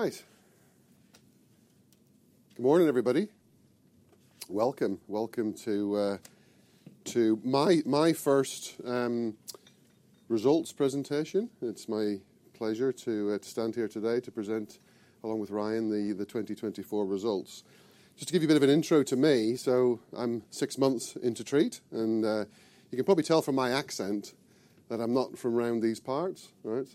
All right. Good morning, everybody. Welcome to my first results presentation. It's my pleasure to stand here today to present, along with Ryan, the 2024 results. Just to give you a bit of an intro to me. I'm six months into Treatt, and you can probably tell from my accent that I'm not from around these parts, right?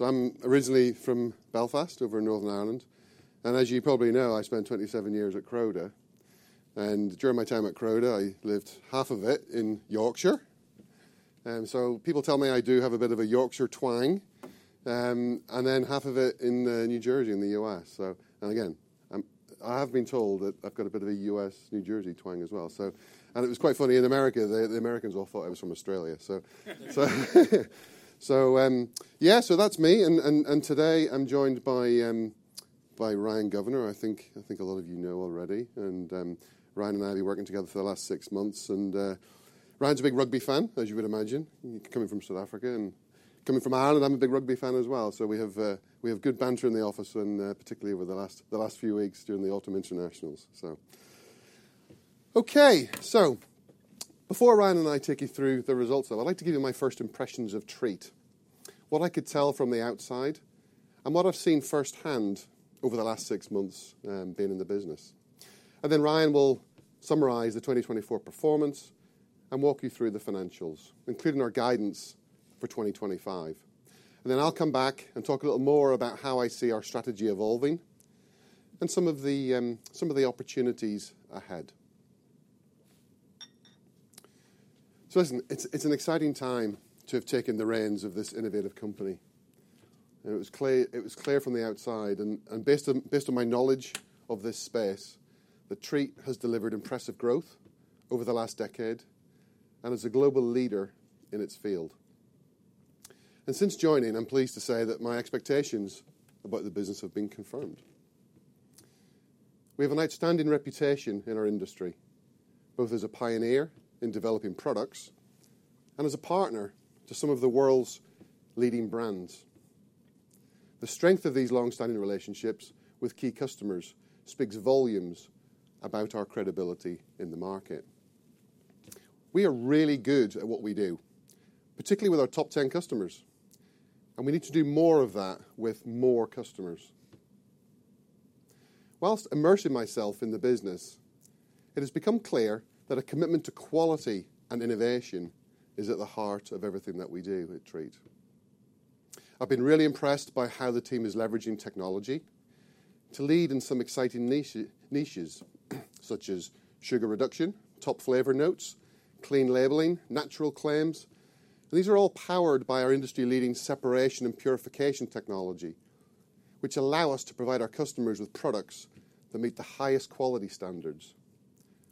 I'm originally from Belfast over in Northern Ireland. As you probably know, I spent 27 years at Croda. During my time at Croda, I lived half of it in Yorkshire, so people tell me I do have a bit of a Yorkshire twang, and then half of it in New Jersey in the U.S. Again, I have been told that I've got a bit of a U.S.-New Jersey twang as well, so. And it was quite funny, in America, the Americans all thought I was from Australia, so. So, yeah, so that's me. And today I'm joined by Ryan Govender, I think a lot of you know already. And Ryan and I have been working together for the last six months, and Ryan's a big rugby fan, as you would imagine, coming from South Africa and coming from Ireland. I'm a big rugby fan as well. So we have good banter in the office, and particularly over the last few weeks during the Autumn Internationals, so. Okay, so before Ryan and I take you through the results, though, I'd like to give you my first impressions of Treatt, what I could tell from the outside, and what I've seen firsthand over the last six months, being in the business. Then Ryan will summarize the 2024 performance and walk you through the financials, including our guidance for 2025. I'll come back and talk a little more about how I see our strategy evolving and some of the opportunities ahead. Listen, it's an exciting time to have taken the reins of this innovative company. It was clear from the outside, and based on my knowledge of this space, that Treatt has delivered impressive growth over the last decade and is a global leader in its field. Since joining, I'm pleased to say that my expectations about the business have been confirmed. We have an outstanding reputation in our industry, both as a pioneer in developing products and as a partner to some of the world's leading brands. The strength of these long-standing relationships with key customers speaks volumes about our credibility in the market. We are really good at what we do, particularly with our top 10 customers, and we need to do more of that with more customers. Whilst immersing myself in the business, it has become clear that a commitment to quality and innovation is at the heart of everything that we do at Treatt. I've been really impressed by how the team is leveraging technology to lead in some exciting niches, niches such as sugar reduction, top flavor notes, clean labeling, natural claims. These are all powered by our industry-leading separation and purification technology, which allow us to provide our customers with products that meet the highest quality standards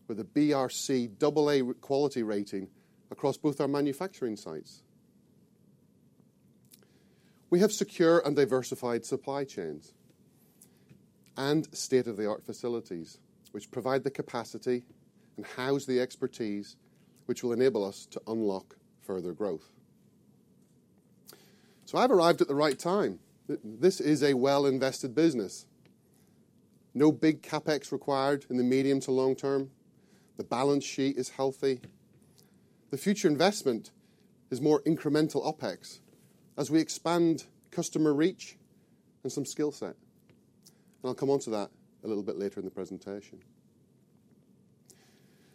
with a BRC AA quality rating across both our manufacturing sites. We have secure and diversified supply chains and state-of-the-art facilities, which provide the capacity and house the expertise, which will enable us to unlock further growth, so I've arrived at the right time. This is a well-invested business. No big CapEx required in the medium to long term. The balance sheet is healthy. The future investment is more incremental OpEx as we expand customer reach and some skill set, and I'll come on to that a little bit later in the presentation.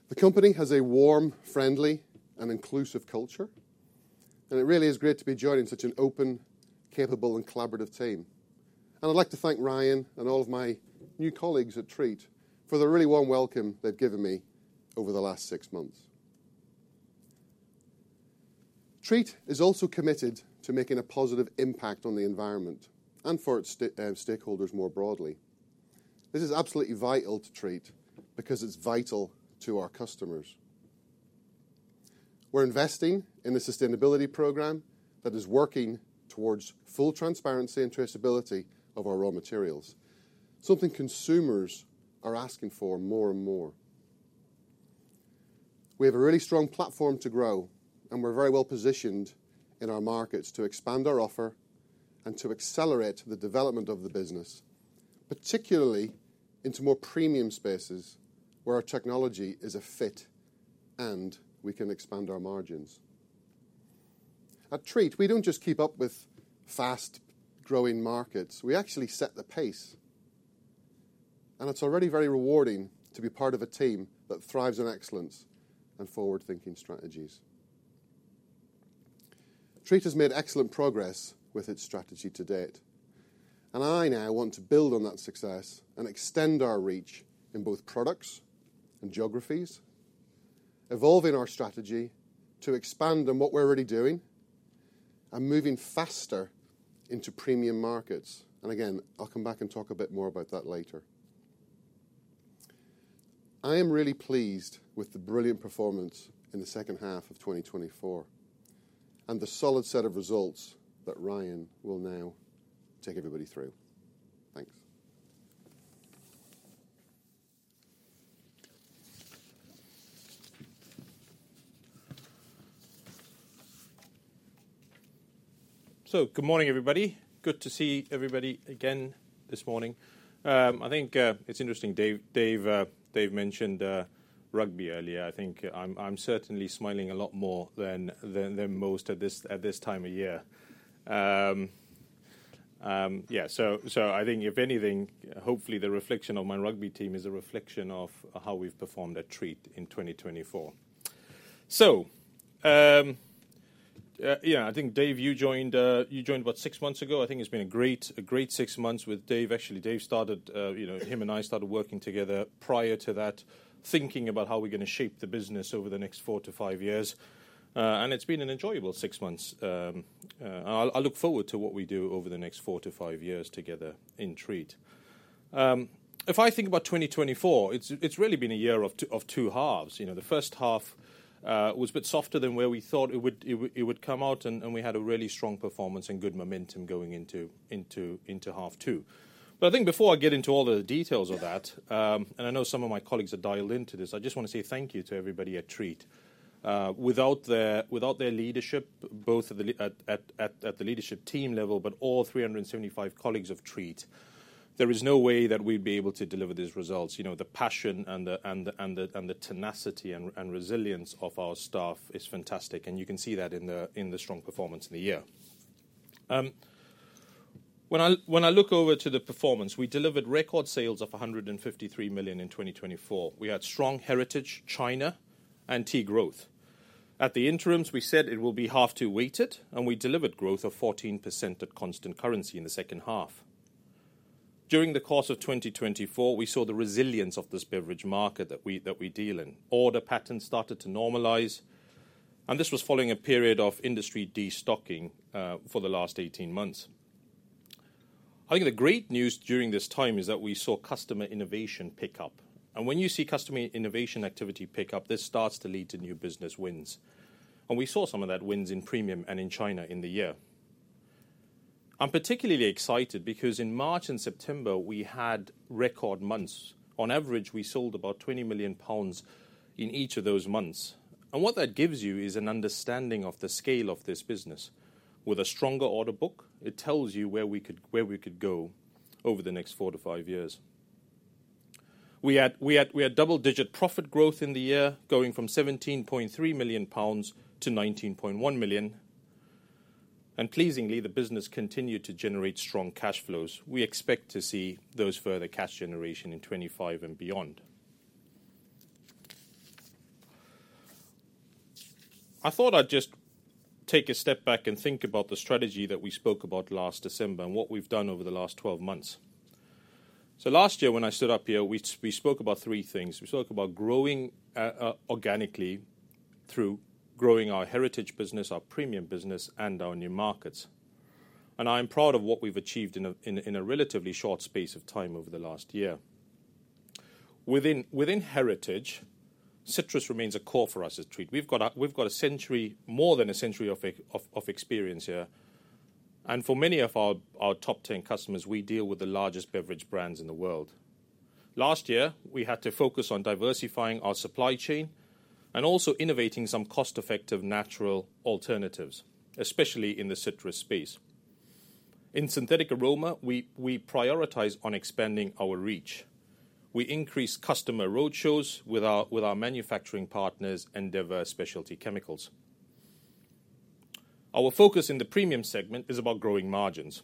The company has a warm, friendly, and inclusive culture, and it really is great to be joined in such an open, capable, and collaborative team, and I'd like to thank Ryan and all of my new colleagues at Treatt for the really warm welcome they've given me over the last six months. Treatt is also committed to making a positive impact on the environment and for its stakeholders more broadly. This is absolutely vital to Treatt because it's vital to our customers. We're investing in a sustainability program that is working towards full transparency and traceability of our raw materials, something consumers are asking for more and more. We have a really strong platform to grow, and we're very well positioned in our markets to expand our offer and to accelerate the development of the business, particularly into more premium spaces where our technology is a fit and we can expand our margins. At Treatt, we don't just keep up with fast-growing markets. We actually set the pace, and it's already very rewarding to be part of a team that thrives on excellence and forward-thinking strategies. Treatt has made excellent progress with its strategy to date, and I now want to build on that success and extend our reach in both products and geographies, evolving our strategy to expand on what we're already doing and moving faster into premium markets. And again, I'll come back and talk a bit more about that later. I am really pleased with the brilliant performance in the second half of 2024 and the solid set of results that Ryan will now take everybody through. Thanks. Good morning, everybody. Good to see everybody again this morning. I think it's interesting. Dave mentioned rugby earlier. I think I'm certainly smiling a lot more than most at this time of year. Yeah, so I think if anything, hopefully the reflection of my rugby team is a reflection of how we've performed at Treatt in 2024, so yeah, I think Dave, you joined about six months ago. I think it's been a great six months with Dave. Actually, Dave started, you know, him and I started working together prior to that, thinking about how we're going to shape the business over the next four to five years, and it's been an enjoyable six months. I'll look forward to what we do over the next four to five years together in Treatt. If I think about 2024, it's really been a year of two halves. You know, the first half was a bit softer than where we thought it would come out, and we had a really strong performance and good momentum going into half two. But I think before I get into all the details of that, and I know some of my colleagues are dialed into this, I just want to say thank you to everybody at Treatt. Without their leadership, both at the leadership team level, but all 375 colleagues of Treatt, there is no way that we'd be able to deliver these results. You know, the passion and the tenacity and resilience of our staff is fantastic. You can see that in the strong performance in the year. When I look over to the performance, we delivered record sales of 153 million in 2024. We had strong heritage, China, and tea growth. At the interims, we said it will be H2 weighted, and we delivered growth of 14% at constant currency in the second half. During the course of 2024, we saw the resilience of this beverage market that we deal in. Order patterns started to normalize, and this was following a period of industry destocking for the last 18 months. I think the great news during this time is that we saw customer innovation pick up, and when you see customer innovation activity pick up, this starts to lead to new business wins, and we saw some of those wins in premium and in China in the year. I'm particularly excited because in March and September, we had record months. On average, we sold about 20 million pounds in each of those months. And what that gives you is an understanding of the scale of this business. With a stronger order book, it tells you where we could go over the next four to five years. We had double-digit profit growth in the year, going from 17.3 million pounds to 19.1 million. And pleasingly, the business continued to generate strong cash flows. We expect to see those further cash generation in 2025 and beyond. I thought I'd just take a step back and think about the strategy that we spoke about last December and what we've done over the last 12 months. So last year, when I stood up here, we spoke about three things. We spoke about growing organically through growing our heritage business, our premium business, and our new markets. And I'm proud of what we've achieved in a relatively short space of time over the last year. Within heritage, citrus remains a core for us at Treatt. We've got a century, more than a century of experience here. And for many of our top 10 customers, we deal with the largest beverage brands in the world. Last year, we had to focus on diversifying our supply chain and also innovating some cost-effective natural alternatives, especially in the citrus space. In synthetic aroma, we prioritize on expanding our reach. We increase customer roadshows with our manufacturing partners and diverse specialty chemicals. Our focus in the premium segment is about growing margins.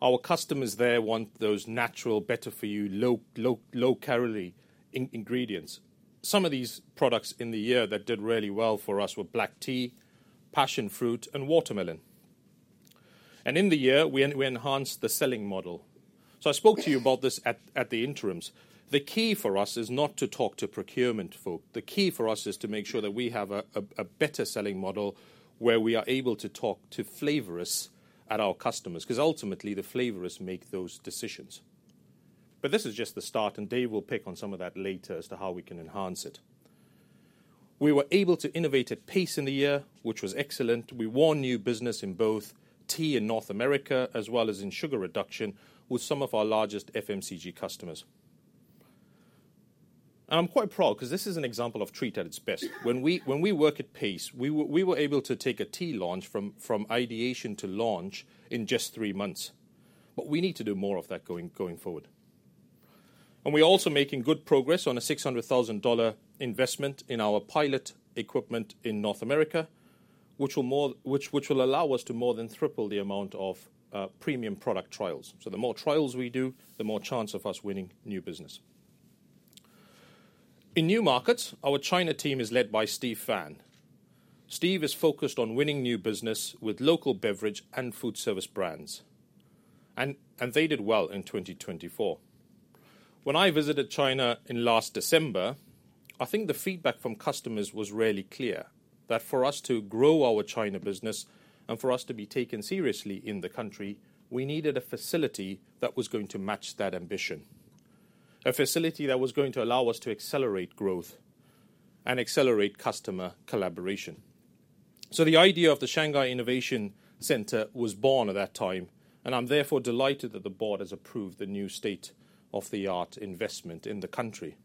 Our customers there want those natural, better-for-you, low, low, low-calorie ingredients. Some of these products in the year that did really well for us were black tea, passion fruit, and watermelon. And in the year, we enhanced the selling model. So I spoke to you about this at the interims. The key for us is not to talk to procurement folk. The key for us is to make sure that we have a better selling model where we are able to talk to flavorists at our customers because ultimately, the flavorists make those decisions. But this is just the start, and Dave will pick on some of that later as to how we can enhance it. We were able to innovate at pace in the year, which was excellent. We won new business in both tea in North America as well as in sugar reduction with some of our largest FMCG customers. And I'm quite proud because this is an example of Treatt at its best. When we work at pace, we were able to take a tea launch from ideation to launch in just three months. But we need to do more of that going forward. And we're also making good progress on a GBP 600,000 investment in our pilot equipment in North America, which will allow us to more than triple the amount of premium product trials. So the more trials we do, the more chance of us winning new business. In new markets, our China team is led by Steve Fan. Steve is focused on winning new business with local beverage and food service brands. They did well in 2024. When I visited China in last December, I think the feedback from customers was really clear that for us to grow our China business and for us to be taken seriously in the country, we needed a facility that was going to match that ambition, a facility that was going to allow us to accelerate growth and accelerate customer collaboration, so the idea of the Shanghai Innovation Center was born at that time, and I'm therefore delighted that the board has approved the new state-of-the-art investment in the country.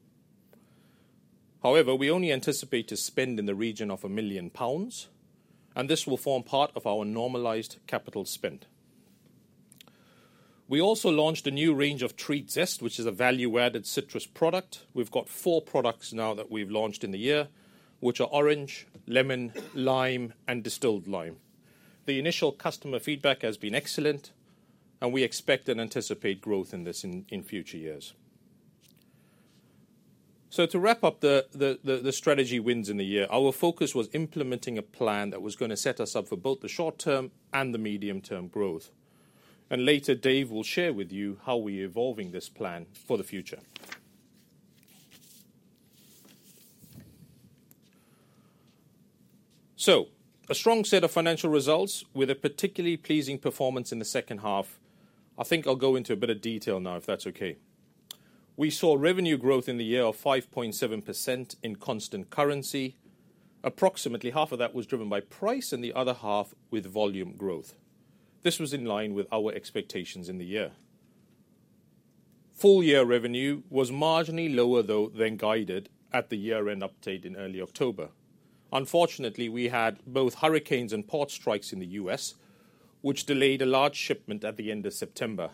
However, we only anticipate to spend in the region of 1 million pounds, and this will form part of our normalized capital spend. We also launched a new range of TreattZest, which is a value-added citrus product. We've got four products now that we've launched in the year, which are orange, lemon, lime, and distilled lime. The initial customer feedback has been excellent, and we expect and anticipate growth in this in future years, so to wrap up the strategy wins in the year, our focus was implementing a plan that was going to set us up for both the short-term and the medium-term growth, and later, Dave will share with you how we're evolving this plan for the future, so a strong set of financial results with a particularly pleasing performance in the second half. I think I'll go into a bit of detail now, if that's okay. We saw revenue growth in the year of 5.7% in constant currency. Approximately half of that was driven by price and the other half with volume growth. This was in line with our expectations in the year. Full-year revenue was marginally lower, though, than guided at the year-end update in early October. Unfortunately, we had both hurricanes and port strikes in the US, which delayed a large shipment at the end of September.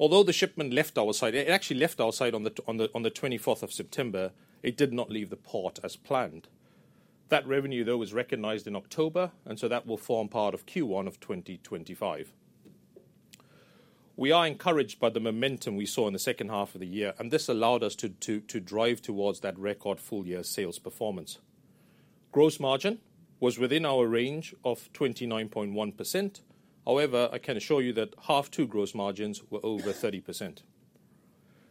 Although the shipment left our site, it actually left our site on the 24th of September. It did not leave the port as planned. That revenue, though, was recognized in October, and so that will form part of Q1 of 2025. We are encouraged by the momentum we saw in the second half of the year, and this allowed us to drive towards that record full-year sales performance. Gross margin was within our range of 29.1%. However, I can assure you that half two gross margins were over 30%.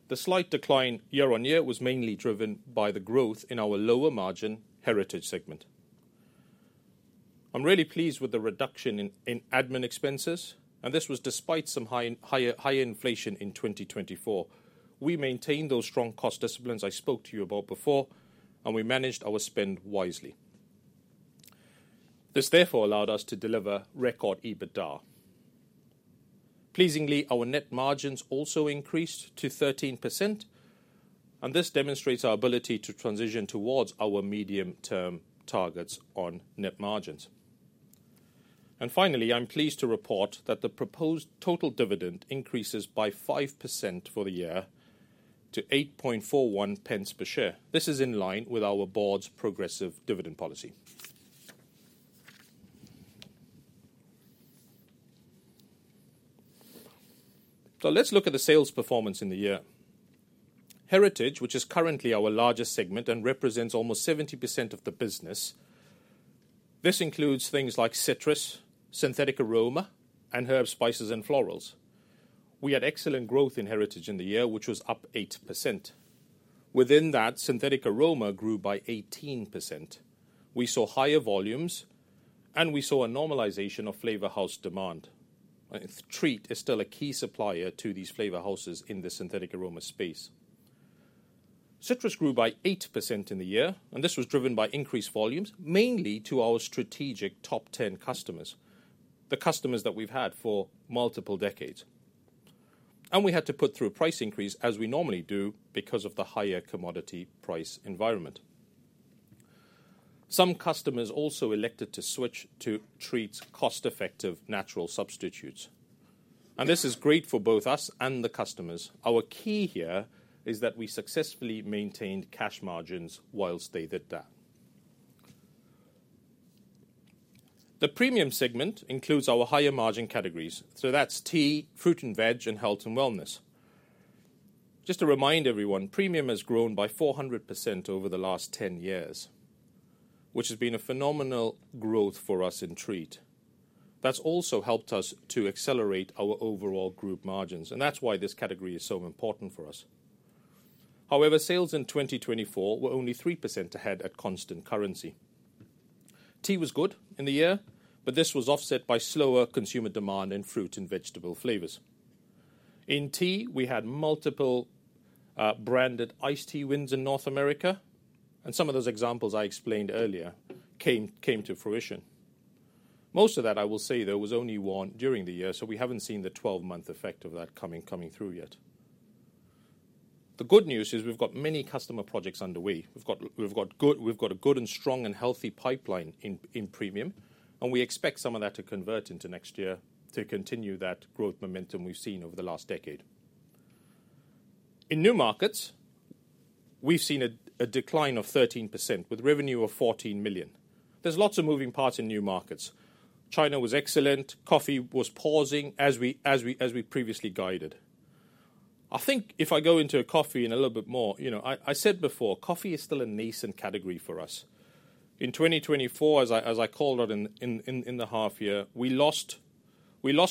The slight decline year-on-year was mainly driven by the growth in our lower-margin heritage segment. I'm really pleased with the reduction in admin expenses, and this was despite some higher inflation in 2024. We maintained those strong cost disciplines I spoke to you about before, and we managed our spend wisely. This therefore allowed us to deliver record EBITDA. Pleasingly, our net margins also increased to 13%, and this demonstrates our ability to transition towards our medium-term targets on net margins. Finally, I'm pleased to report that the proposed total dividend increases by 5% for the year to 0.0841 per share. This is in line with our board's progressive dividend policy. Let's look at the sales performance in the year. Heritage, which is currently our largest segment and represents almost 70% of the business. This includes things like citrus, synthetic aroma, and herbs, spices, and florals. We had excellent growth in Heritage in the year, which was up 8%. Within that, synthetic aroma grew by 18%. We saw higher volumes, and we saw a normalization of flavor house demand. Treatt is still a key supplier to these flavor houses in the synthetic aroma space. Citrus grew by 8% in the year, and this was driven by increased volumes, mainly to our strategic top 10 customers, the customers that we've had for multiple decades. We had to put through a price increase, as we normally do, because of the higher commodity price environment. Some customers also elected to switch to Treatt's cost-effective natural substitutes. This is great for both us and the customers. Our key here is that we successfully maintained cash margins whilst they did that. The premium segment includes our higher margin categories. So that's tea, fruit and veg, and health and wellness. Just to remind everyone, premium has grown by 400% over the last 10 years, which has been a phenomenal growth for us in Treatt. That's also helped us to accelerate our overall group margins, and that's why this category is so important for us. However, sales in 2024 were only 3% ahead at constant currency. Tea was good in the year, but this was offset by slower consumer demand in fruit and vegetable flavors. In tea, we had multiple, branded iced tea wins in North America, and some of those examples I explained earlier came to fruition. Most of that, I will say, there was only one during the year, so we haven't seen the 12-month effect of that coming through yet. The good news is we've got many customer projects underway. We've got a good and strong and healthy pipeline in premium, and we expect some of that to convert into next year to continue that growth momentum we've seen over the last decade. In new markets, we've seen a decline of 13% with revenue of 14 million. There's lots of moving parts in new markets. China was excellent. Coffee was pausing as we previously guided. I think if I go into coffee in a little bit more, you know, I said before, coffee is still a nascent category for us. In 2024, as I called out in the half year, we lost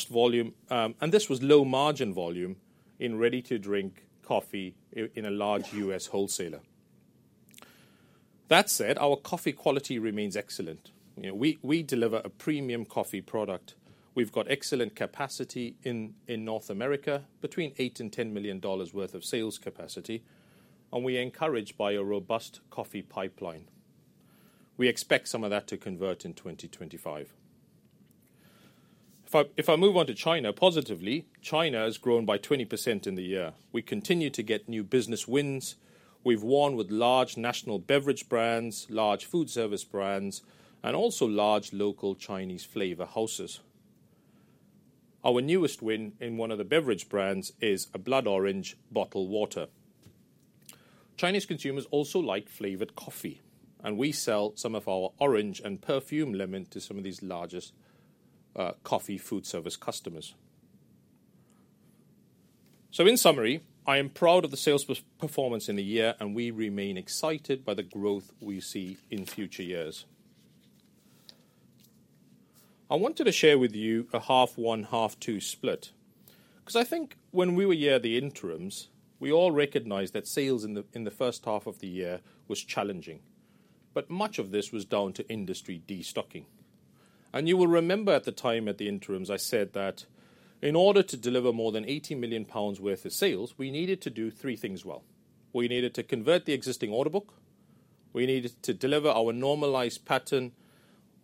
volume, and this was low-margin volume in ready-to-drink coffee in a large U.S. wholesaler. That said, our coffee quality remains excellent. You know, we deliver a premium coffee product. We've got excellent capacity in North America, between 8 million and GBP 10 million worth of sales capacity, and we're encouraged by a robust coffee pipeline. We expect some of that to convert in 2025. If I move on to China positively, China has grown by 20% in the year. We continue to get new business wins. We've won with large national beverage brands, large food service brands, and also large local Chinese flavor houses. Our newest win in one of the beverage brands is a blood orange bottled water. Chinese consumers also like flavored coffee, and we sell some of our orange and perfume lemon to some of these largest coffee food service customers. So in summary, I am proud of the sales performance in the year, and we remain excited by the growth we see in future years. I wanted to share with you a half one, half two split because I think when we were here at the interims, we all recognized that sales in the first half of the year was challenging. But much of this was down to industry destocking. And you will remember at the time at the interims I said that in order to deliver more than 80 million pounds worth of sales, we needed to do three things well. We needed to convert the existing order book. We needed to deliver our normalized pattern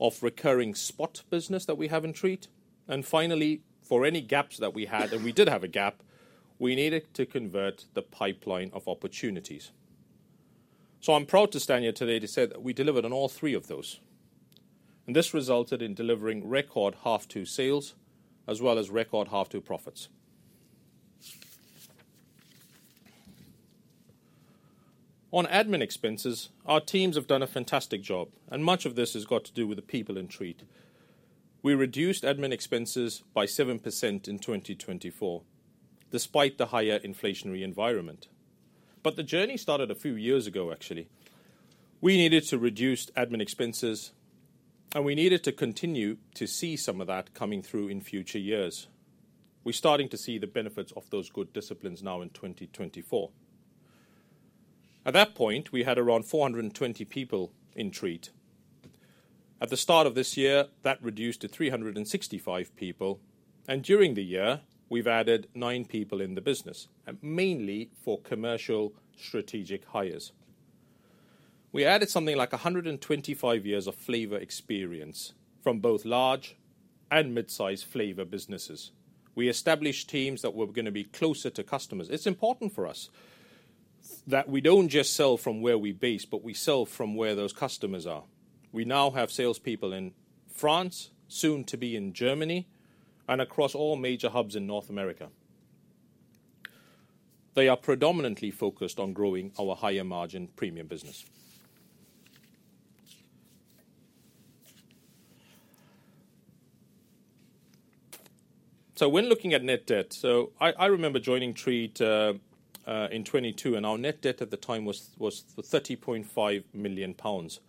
of recurring spot business that we have in Treatt. And finally, for any gaps that we had, and we did have a gap, we needed to convert the pipeline of opportunities. So I'm proud to stand here today to say that we delivered on all three of those. And this resulted in delivering record half two sales as well as record half two profits. On admin expenses, our teams have done a fantastic job, and much of this has got to do with the people in Treatt. We reduced admin expenses by 7% in 2024 despite the higher inflationary environment. But the journey started a few years ago, actually. We needed to reduce admin expenses, and we needed to continue to see some of that coming through in future years. We're starting to see the benefits of those good disciplines now in 2024. At that point, we had around 420 people in Treatt. At the start of this year, that reduced to 365 people. And during the year, we've added nine people in the business, mainly for commercial strategic hires. We added something like 125 years of flavor experience from both large and mid-size flavor businesses. We established teams that were going to be closer to customers. It's important for us that we don't just sell from where we base, but we sell from where those customers are. We now have salespeople in France, soon to be in Germany, and across all major hubs in North America. They are predominantly focused on growing our higher-margin premium business. So when looking at net debt, I remember joining Treatt in 2022, and our net debt at the time was 30.5 million pounds.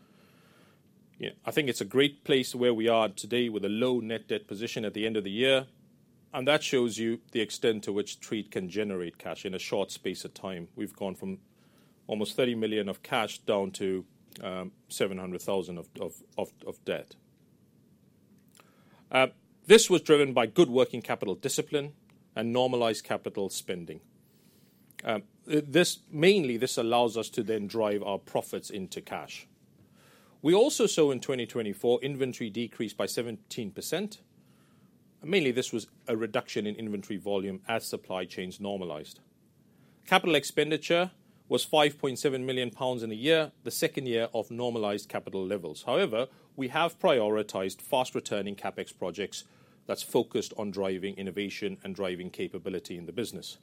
Yeah, I think it's a great place where we are today with a low net debt position at the end of the year, and that shows you the extent to which Treatt can generate cash in a short space of time. We've gone from almost 30 million of cash down to 700,000 of debt. This was driven by good working capital discipline and normalized capital spending. This mainly allows us to then drive our profits into cash. We also saw in 2024 inventory decrease by 17%. Mainly, this was a reduction in inventory volume as supply chains normalized. Capital expenditure was 5.7 million pounds in a year, the second year of normalized capital levels. However, we have prioritized fast-returning CapEx projects that's focused on driving innovation and driving capability in the business.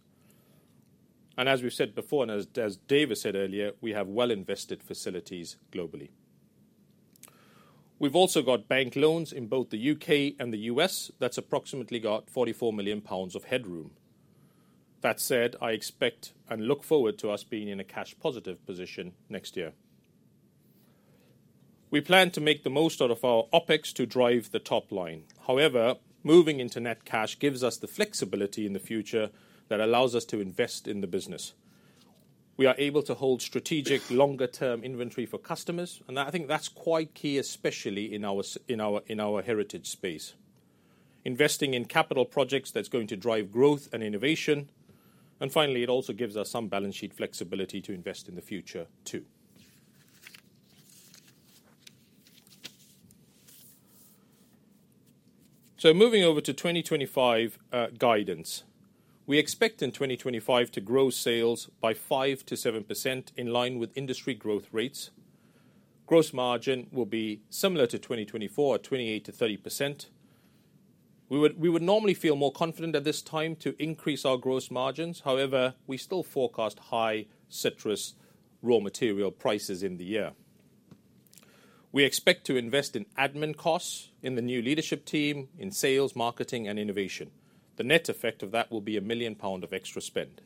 As we've said before, and as David said earlier, we have well-invested facilities globally. We've also got bank loans in both the U.K. and the U.S. That's approximately 44 million pounds of headroom. That said, I expect and look forward to us being in a cash-positive position next year. We plan to make the most out of our OpEx to drive the top line. However, moving into net cash gives us the flexibility in the future that allows us to invest in the business. We are able to hold strategic longer-term inventory for customers, and I think that's quite key, especially in our heritage space. Investing in capital projects, that's going to drive growth and innovation. And finally, it also gives us some balance sheet flexibility to invest in the future too. Moving over to 2025, guidance. We expect in 2025 to grow sales by 5%-7% in line with industry growth rates. Gross margin will be similar to 2024 at 28%-30%. We would normally feel more confident at this time to increase our gross margins. However, we still forecast high citrus raw material prices in the year. We expect to invest in admin costs in the new leadership team, in sales, marketing, and innovation. The net effect of that will be 1 million pound of extra spend,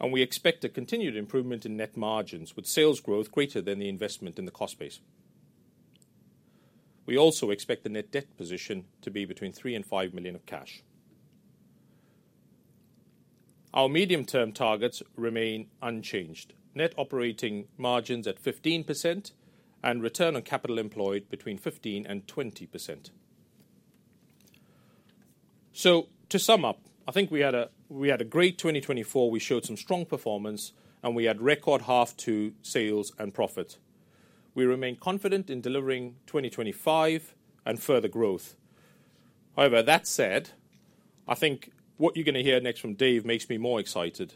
and we expect a continued improvement in net margins with sales growth greater than the investment in the cost base. We also expect the net debt position to be between 3 million and 5 million of cash. Our medium-term targets remain unchanged. Net operating margins at 15% and return on capital employed between 15% and 20%. So to sum up, I think we had a great 2024. We showed some strong performance, and we had record half two sales and profits. We remain confident in delivering 2025 and further growth. However, that said, I think what you're going to hear next from Dave makes me more excited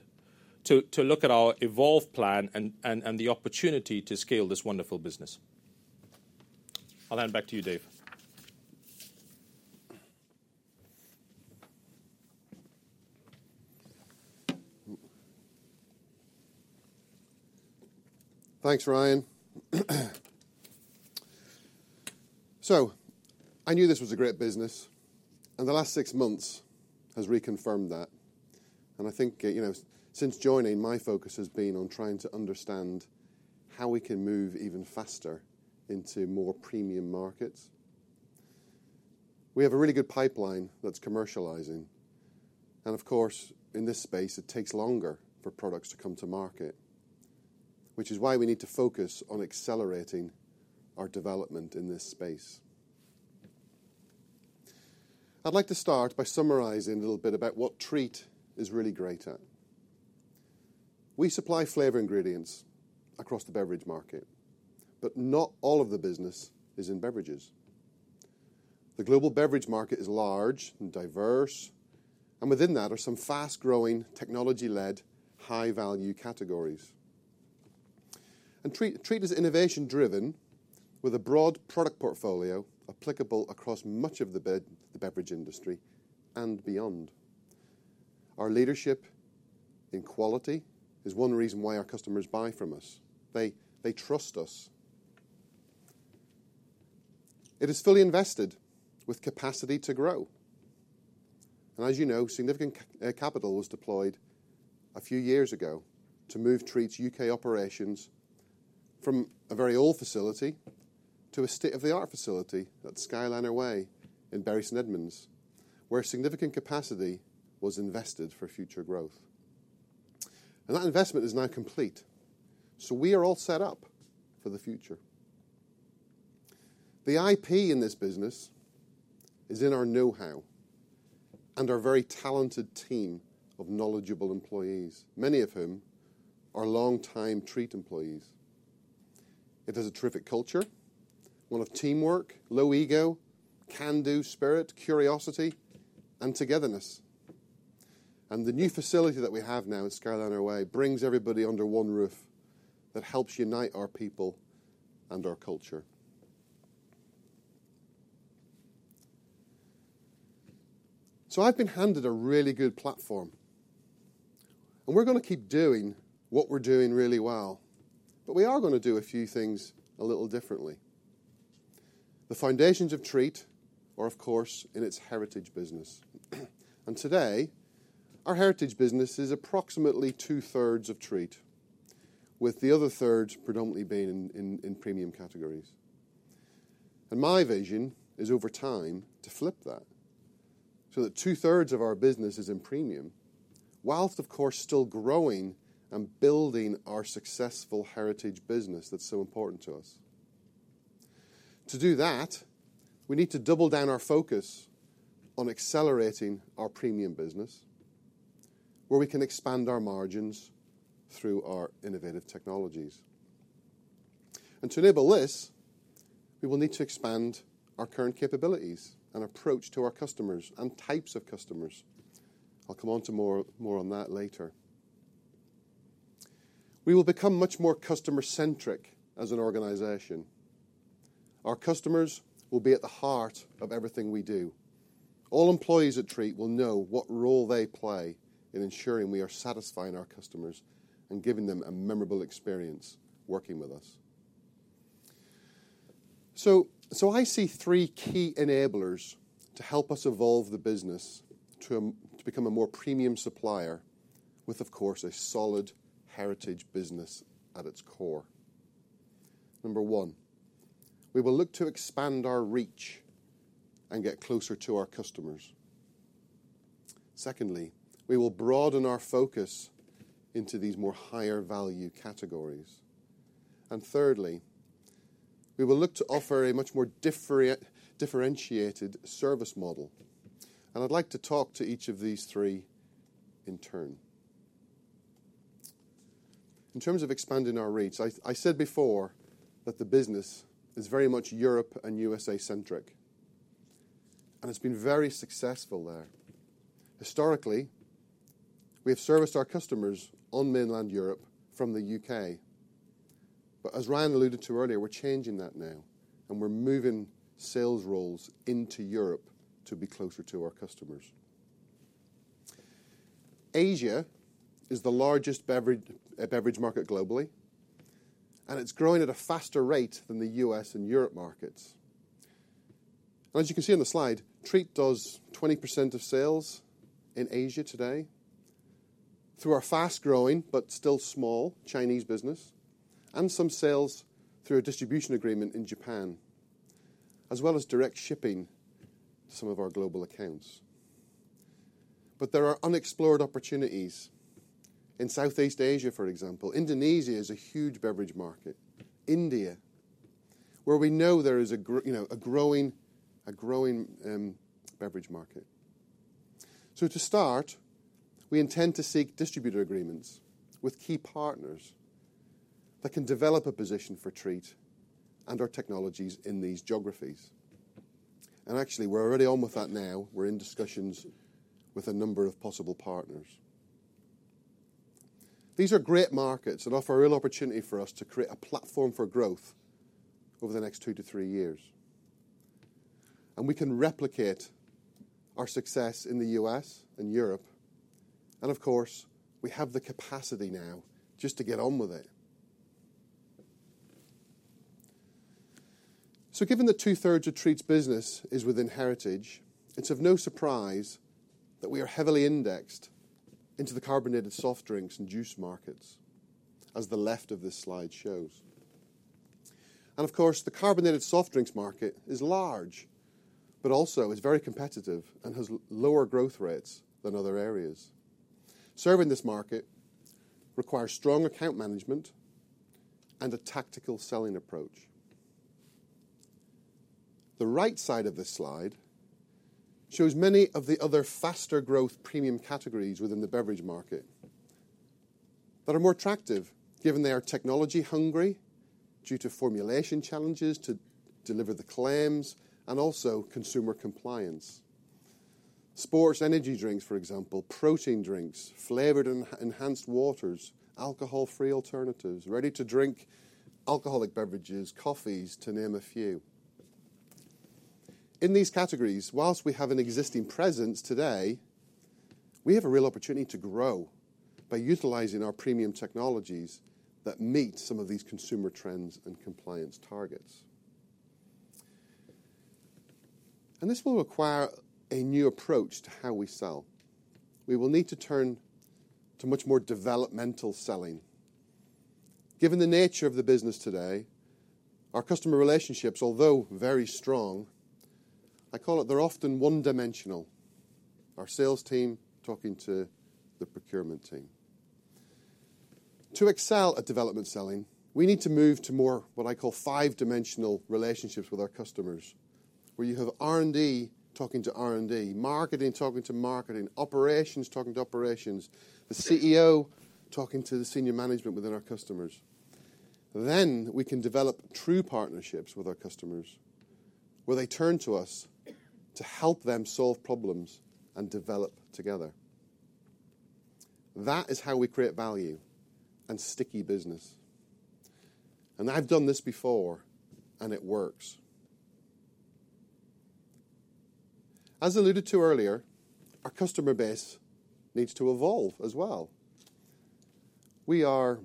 to look at our evolved plan and the opportunity to scale this wonderful business. I'll hand back to you, Dave. Thanks, Ryan. So I knew this was a great business, and the last six months has reconfirmed that. And I think, you know, since joining, my focus has been on trying to understand how we can move even faster into more premium markets. We have a really good pipeline that's commercializing. And of course, in this space, it takes longer for products to come to market, which is why we need to focus on accelerating our development in this space. I'd like to start by summarizing a little bit about what Treatt is really great at. We supply flavor ingredients across the beverage market, but not all of the business is in beverages. The global beverage market is large and diverse, and within that are some fast-growing technology-led high-value categories. And Treatt, Treatt is innovation-driven with a broad product portfolio applicable across much of the beverage industry and beyond. Our leadership in quality is one reason why our customers buy from us. They, they trust us. It is fully invested with capacity to grow. And as you know, significant capital was deployed a few years ago to move Treatt's U.K. operations from a very old facility to a state-of-the-art facility at Skyliner Way in Bury St Edmunds, where significant capacity was invested for future growth. And that investment is now complete. So we are all set up for the future. The IP in this business is in our know-how and our very talented team of knowledgeable employees, many of whom are long-time Treatt employees. It has a terrific culture, one of teamwork, low ego, can-do spirit, curiosity, and togetherness. And the new facility that we have now at Skyliner Way brings everybody under one roof that helps unite our people and our culture. So I've been handed a really good platform, and we're going to keep doing what we're doing really well, but we are going to do a few things a little differently. The foundations of Treatt are, of course, in its heritage business. Today, our heritage business is approximately two-thirds of Treatt, with the other third predominantly being in premium categories. My vision is over time to flip that so that 2/3 of our business is in premium, while, of course, still growing and building our successful heritage business that's so important to us. To do that, we need to double down our focus on accelerating our premium business, where we can expand our margins through our innovative technologies. To enable this, we will need to expand our current capabilities and approach to our customers and types of customers. I'll come on to more on that later. We will become much more customer-centric as an organization. Our customers will be at the heart of everything we do. All employees at Treatt will know what role they play in ensuring we are satisfying our customers and giving them a memorable experience working with us. So, I see three key enablers to help us evolve the business to become a more premium supplier with, of course, a solid heritage business at its core. Number one, we will look to expand our reach and get closer to our customers. Secondly, we will broaden our focus into these more higher-value categories. And thirdly, we will look to offer a much more differentiated service model. And I'd like to talk to each of these three in turn. In terms of expanding our reach, I said before that the business is very much Europe and U.S.A.-centric, and it's been very successful there. Historically, we have serviced our customers on mainland Europe from the U.K. But as Ryan alluded to earlier, we're changing that now, and we're moving sales roles into Europe to be closer to our customers. Asia is the largest beverage market globally, and it's growing at a faster rate than the U.S. and Europe markets. And as you can see on the slide, Treatt does 20% of sales in Asia today through our fast-growing but still small Chinese business and some sales through a distribution agreement in Japan, as well as direct shipping to some of our global accounts. But there are unexplored opportunities in Southeast Asia, for example. Indonesia is a huge beverage market. India, where we know there is a you know a growing beverage market. So to start, we intend to seek distributor agreements with key partners that can develop a position for Treatt and our technologies in these geographies. Actually, we're already on with that now. We're in discussions with a number of possible partners. These are great markets that offer a real opportunity for us to create a platform for growth over the next two to three years. We can replicate our success in the U.S. and Europe. Of course, we have the capacity now just to get on with it. Given the two-thirds of Treatt's business is within heritage, it's of no surprise that we are heavily indexed into the carbonated soft drinks and juice markets, as the left of this slide shows. Of course, the carbonated soft drinks market is large, but also is very competitive and has lower growth rates than other areas. Serving this market requires strong account management and a tactical selling approach. The right side of this slide shows many of the other faster-growth premium categories within the beverage market that are more attractive given they are technology-hungry due to formulation challenges to deliver the claims and also consumer compliance. Sports, energy drinks, for example, protein drinks, flavored and enhanced waters, alcohol-free alternatives, ready-to-drink alcoholic beverages, coffees, to name a few. In these categories, whilst we have an existing presence today, we have a real opportunity to grow by utilizing our premium technologies that meet some of these consumer trends and compliance targets, and this will require a new approach to how we sell. We will need to turn to much more developmental selling. Given the nature of the business today, our customer relationships, although very strong, I call it they're often one-dimensional. Our sales team talking to the procurement team. To excel at development selling, we need to move to more what I call five-dimensional relationships with our customers, where you have R&D talking to R&D, marketing talking to marketing, operations talking to operations, the CEO talking to the senior management within our customers. Then we can develop true partnerships with our customers where they turn to us to help them solve problems and develop together. That is how we create value and sticky business. And I've done this before, and it works. As alluded to earlier, our customer base needs to evolve as well. We are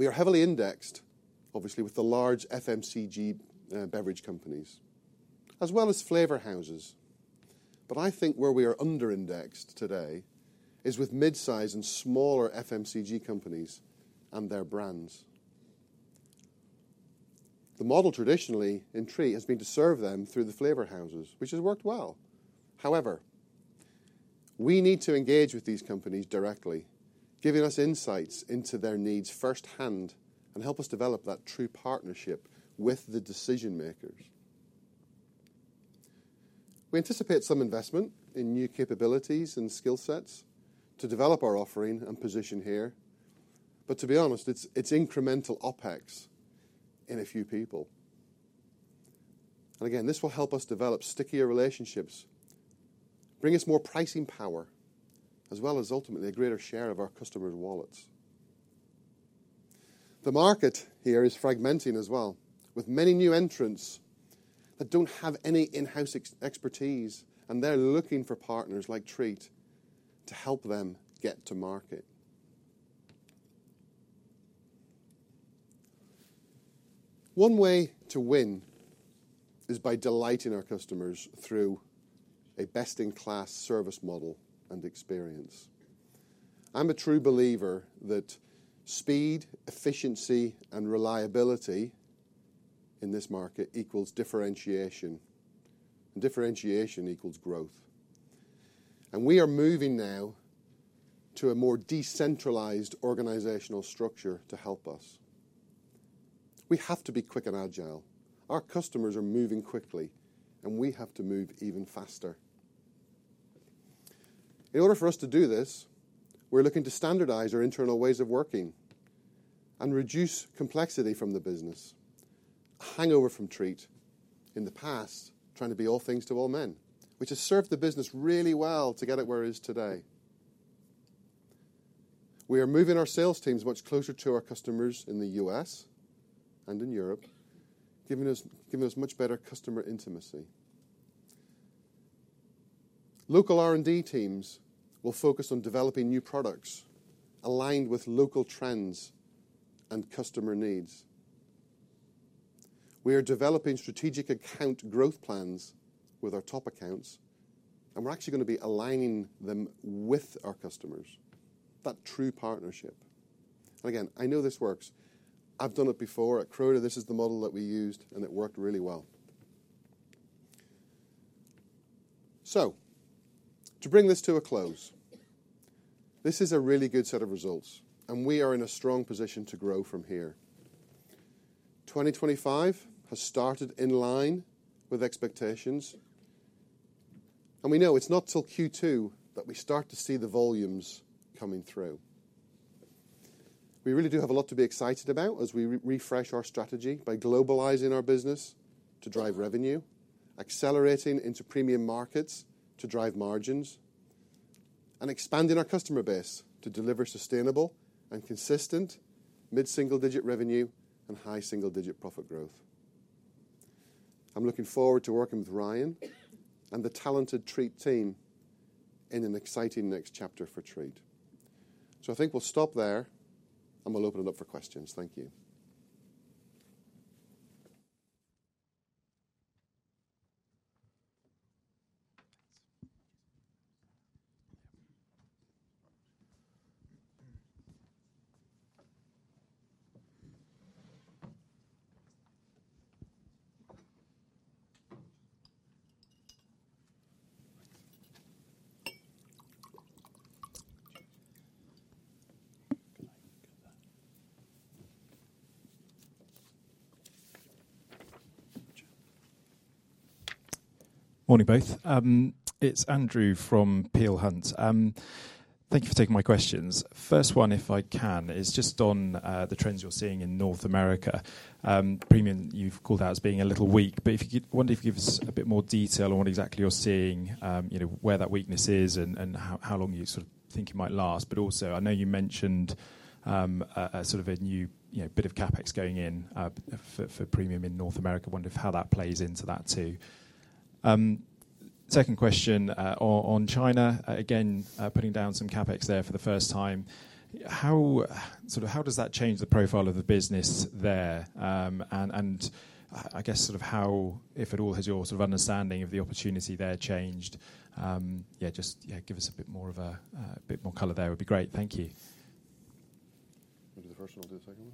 heavily indexed, obviously, with the large FMCG beverage companies as well as flavor houses. But I think where we are under-indexed today is with mid-size and smaller FMCG companies and their brands. The model traditionally in Treatt has been to serve them through the flavor houses, which has worked well. However, we need to engage with these companies directly, giving us insights into their needs firsthand and help us develop that true partnership with the decision-makers. We anticipate some investment in new capabilities and skill sets to develop our offering and position here. But to be honest, it's incremental OpEx in a few people. And again, this will help us develop stickier relationships, bring us more pricing power, as well as ultimately a greater share of our customers' wallets. The market here is fragmenting as well, with many new entrants that don't have any in-house expertise, and they're looking for partners like Treatt to help them get to market. One way to win is by delighting our customers through a best-in-class service model and experience. I'm a true believer that speed, efficiency, and reliability in this market equals differentiation, and differentiation equals growth. We are moving now to a more decentralized organizational structure to help us. We have to be quick and agile. Our customers are moving quickly, and we have to move even faster. In order for us to do this, we're looking to standardize our internal ways of working and reduce complexity from the business. Hangover from Treatt, in the past, trying to be all things to all men, which has served the business really well to get it where it is today. We are moving our sales teams much closer to our customers in the U.S. and in Europe, giving us, giving us much better customer intimacy. Local R&D teams will focus on developing new products aligned with local trends and customer needs. We are developing strategic account growth plans with our top accounts, and we're actually going to be aligning them with our customers. That true partnership. Again, I know this works. I've done it before at Croda. This is the model that we used, and it worked really well. To bring this to a close, this is a really good set of results, and we are in a strong position to grow from here. 2025 has started in line with expectations, and we know it's not till Q2 that we start to see the volumes coming through. We really do have a lot to be excited about as we refresh our strategy by globalizing our business to drive revenue, accelerating into premium markets to drive margins, and expanding our customer base to deliver sustainable and consistent mid-single-digit revenue and high single-digit profit growth. I'm looking forward to working with Ryan and the talented Treatt team in an exciting next chapter for Treatt. So I think we'll stop there, and we'll open it up for questions. Thank you. Morning, both. It's Andrew from Peel Hunt. Thank you for taking my questions. First one, if I can, is just on the trends you're seeing in North America. Premium you've called out as being a little weak, but I wonder if you could give us a bit more detail on what exactly you're seeing, you know, where that weakness is and how long you sort of think it might last. But also, I know you mentioned a sort of new, you know, bit of CapEx going in for premium in North America. I wonder how that plays into that too. Second question, on China, again, putting down some CapEx there for the first time. How, sort of, how does that change the profile of the business there? I guess sort of how, if at all, has your sort of understanding of the opportunity there changed? Yeah, just give us a bit more color there. It would be great. Thank you. I'll do the first one. You'll do the second one.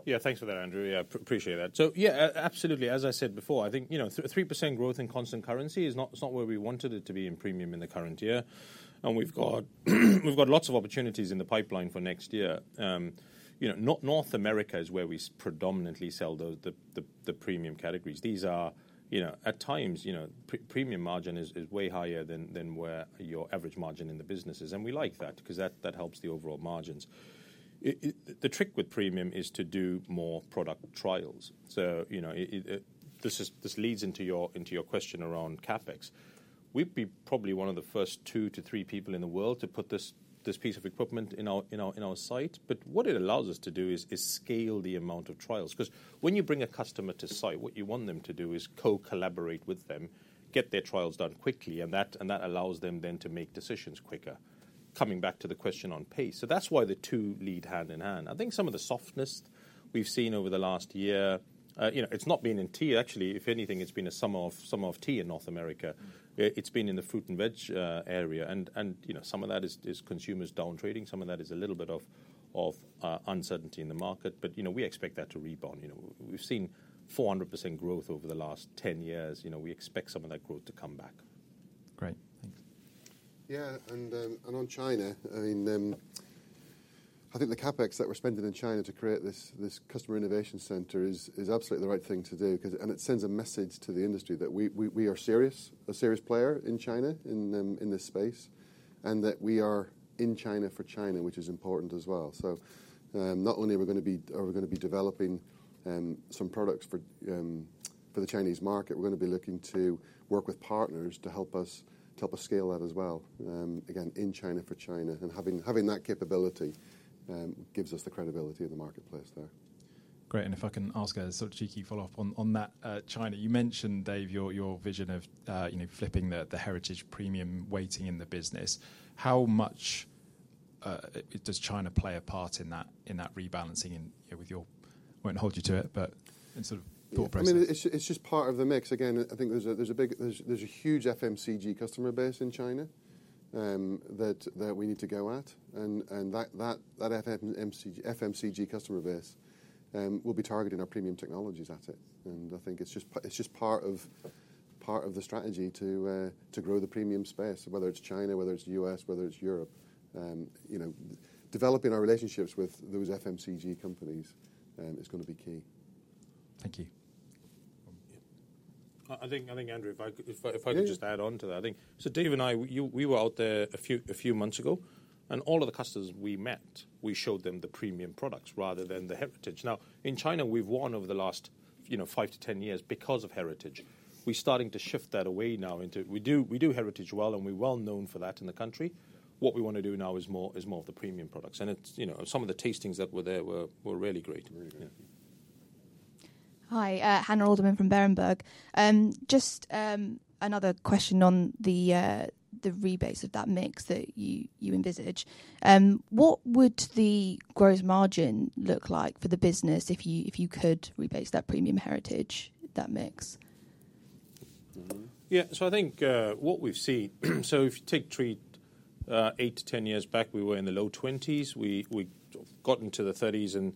Okay. Yeah. Thanks for that, Andrew. Yeah, I appreciate that. So yeah, absolutely. As I said before, I think, you know, 3% growth in constant currency is not where we wanted it to be in premium in the current year. We've got lots of opportunities in the pipeline for next year. You know, North America is where we predominantly sell those premium categories. These are, you know, at times, you know, premium margin is way higher than where your average margin in the business is. And we like that because that helps the overall margins. The trick with premium is to do more product trials. So, you know, this is, this leads into your question around CapEx. We'd be probably one of the first two to three people in the world to put this piece of equipment in our site. But what it allows us to do is scale the amount of trials. Because when you bring a customer to site, what you want them to do is co-collaborate with them, get their trials done quickly, and that allows them then to make decisions quicker. Coming back to the question on pay. So that's why the two lead hand in hand. I think some of the softness we've seen over the last year, you know, it's not been in tea actually. If anything, it's been a summer of tea in North America. It's been in the fruit and veg area. And you know, some of that is consumers down trading. Some of that is a little bit of uncertainty in the market. But you know, we expect that to rebound. You know, we've seen 400% growth over the last 10 years. You know, we expect some of that growth to come back. Great. Thanks. Yeah. And on China, I mean, I think the CapEx that we're spending in China to create this customer innovation center is absolutely the right thing to do because it sends a message to the industry that we are a serious player in China in this space, and that we are in China for China, which is important as well. So, not only are we going to be developing some products for the Chinese market, we're going to be looking to work with partners to help us scale that as well. Again, in China for China, and having that capability gives us the credibility of the marketplace there. Great. And if I can ask a sort of cheeky follow-up on that, China, you mentioned, Dave, your vision of, you know, flipping the heritage premium weighting in the business. How much does China play a part in that rebalancing and, you know, with your, I won't hold you to it, but in sort of thought process? I mean, it's just part of the mix. Again, I think there's a huge FMCG customer base in China that we need to go at. And that FMCG customer base will be targeting our premium technologies at it. And I think it's just part of the strategy to grow the premium space, whether it's China, whether it's the U.S., whether it's Europe. You know, developing our relationships with those FMCG companies is going to be key. Thank you. I think, Andrew, if I could just add on to that, I think so, Dave and I, we were out there a few months ago, and all of the customers we met, we showed them the premium products rather than the heritage. Now, in China, we've won over the last, you know, five to 10 years because of heritage. We're starting to shift that away now into we do, we do heritage well, and we're well known for that in the country. What we want to do now is more of the premium products. And it's, you know, some of the tastings that were there were really great. Hi, [Hannah Alderman] from Berenberg. Just another question on the rebates of that mix that you envisage. What would the gross margin look like for the business if you could rebate that premium heritage, that mix? Yeah. So I think, what we've seen, so if you take Treatt eight to 10 years back, we were in the low twenties. We got into the thirties and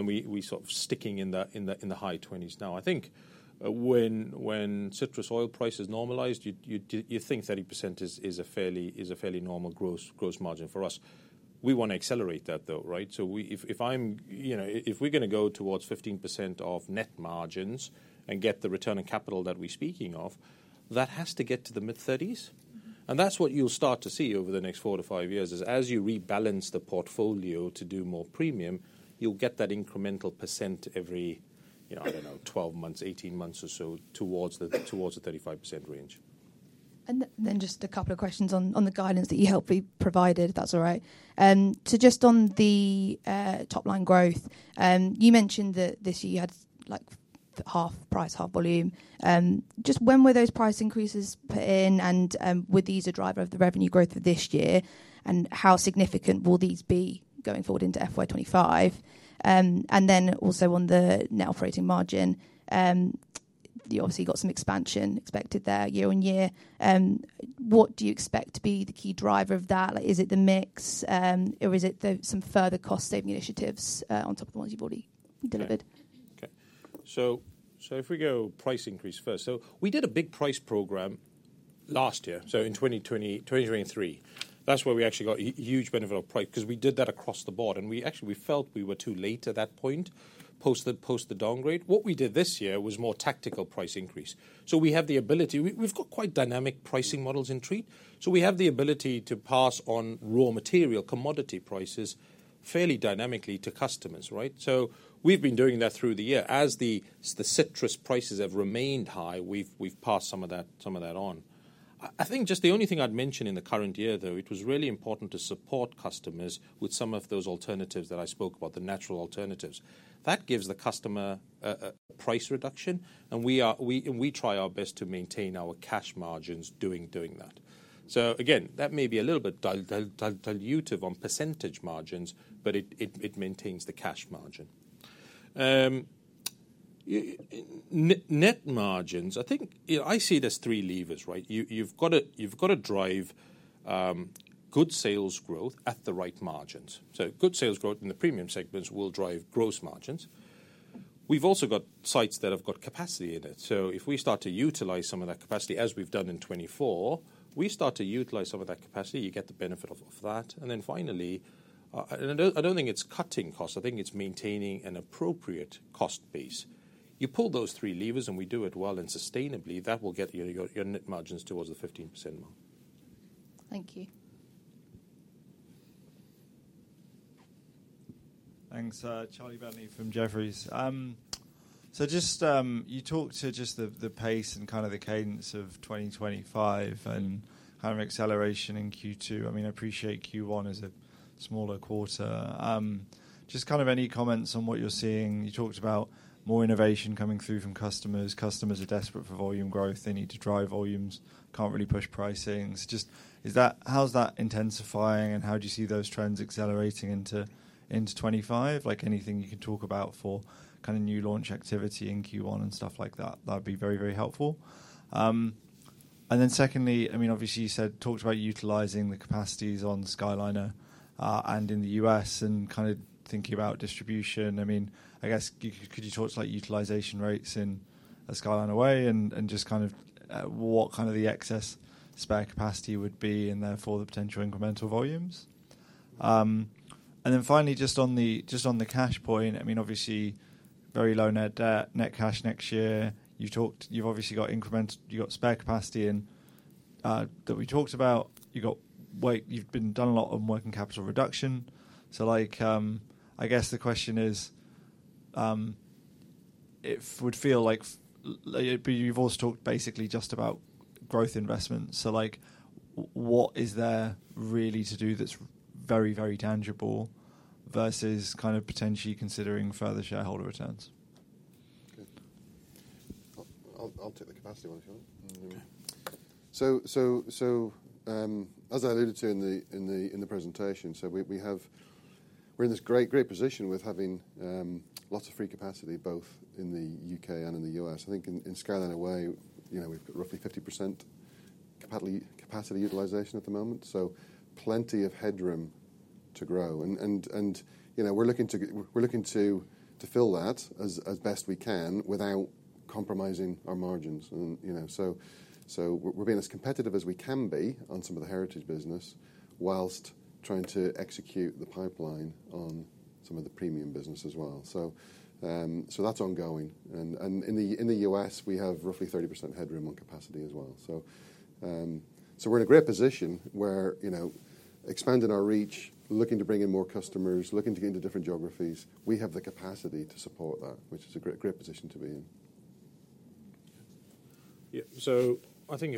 we sort of sticking in the high twenties. Now, I think when citrus oil prices normalized, you think 30% is a fairly normal gross margin for us. We want to accelerate that though, right? So if I'm you know if we're going to go towards 15% of net margins and get the return on capital that we're speaking of, that has to get to the mid-thirties. And that's what you'll start to see over the next four to five years is as you rebalance the portfolio to do more premium, you'll get that incremental percent every you know I don't know 12 months 18 months or so towards the 35% range. Then just a couple of questions on the guidance that you help me provide, if that's all right. So just on the top line growth, you mentioned that this year you had like half price, half volume. Just when were those price increases put in and were these a driver of the revenue growth of this year and how significant will these be going forward into FY 2025? And then also on the net operating margin, you obviously got some expansion expected there year on year. What do you expect to be the key driver of that? Like, is it the mix, or is it the some further cost saving initiatives, on top of the ones you've already delivered? Okay. So if we go price increase first, so we did a big price program last year. So in 2020, 2023, that's where we actually got a huge benefit of price because we did that across the board. And we actually, we felt we were too late at that point post the downgrade. What we did this year was more tactical price increase. So we have the ability, we've got quite dynamic pricing models in Treatt. So we have the ability to pass on raw material commodity prices fairly dynamically to customers, right? So we've been doing that through the year as the citrus prices have remained high. We've passed some of that on. I think just the only thing I'd mention in the current year though, it was really important to support customers with some of those alternatives that I spoke about, the natural alternatives. That gives the customer a price reduction. We try our best to maintain our cash margins doing that. So again, that may be a little bit dilutive on percentage margins, but it maintains the cash margin. Net margins, I think, you know, I see there are three levers, right? You have got to drive good sales growth at the right margins. So good sales growth in the premium segments will drive gross margins. We have also got sites that have got capacity in it. So if we start to utilize some of that capacity as we have done in 2024, you get the benefit of that. Then finally, I do not think it is cutting costs. I think it is maintaining an appropriate cost base. You pull those three levers and we do it well and sustainably, that will get your net margins towards the 15% mark. Thank you. Thanks, Charlie Bentley from Jefferies. So just, you talked about just the pace and kind of the cadence of 2025 and kind of acceleration in Q2. I mean, I appreciate Q1 is a smaller quarter. Just kind of any comments on what you're seeing? You talked about more innovation coming through from customers. Customers are desperate for volume growth. They need to drive volumes. Can't really push pricing. So just, is that, how's that intensifying and how do you see those trends accelerating into 2025? Like anything you can talk about for kind of new launch activity in Q1 and stuff like that? That'd be very, very helpful. And then secondly, I mean, obviously you said, talked about utilizing the capacities on Skyliner, and in the U.S. and kind of thinking about distribution. I mean, I guess could you talk to like utilization rates in a Skyliner way and, and just kind of what kind of the excess spare capacity would be and therefore the potential incremental volumes? And then finally, just on the, just on the cash point, I mean, obviously very low net net cash next year. You've talked, you've obviously got incremental, you've got spare capacity in, that we talked about. You've done a lot of working capital reduction. So like, I guess the question is, it would feel like you've also talked basically just about growth investments. So like, what is there really to do that's very, very tangible versus kind of potentially considering further shareholder returns? I'll take the capacity one if you want. So, as I alluded to in the presentation, we have. We're in this great position with having lots of free capacity both in the U.K. and in the U.S. I think in Skyliner Way, you know, we've got roughly 50% capacity utilization at the moment. So plenty of headroom to grow. And, you know, we're looking to fill that as best we can without compromising our margins. And, you know, so we're being as competitive as we can be on some of the heritage business while trying to execute the pipeline on some of the premium business as well. So that's ongoing. And in the U.S., we have roughly 30% headroom on capacity as well. We're in a great position where, you know, expanding our reach, looking to bring in more customers, looking to get into different geographies, we have the capacity to support that, which is a great, great position to be in. Yeah. I think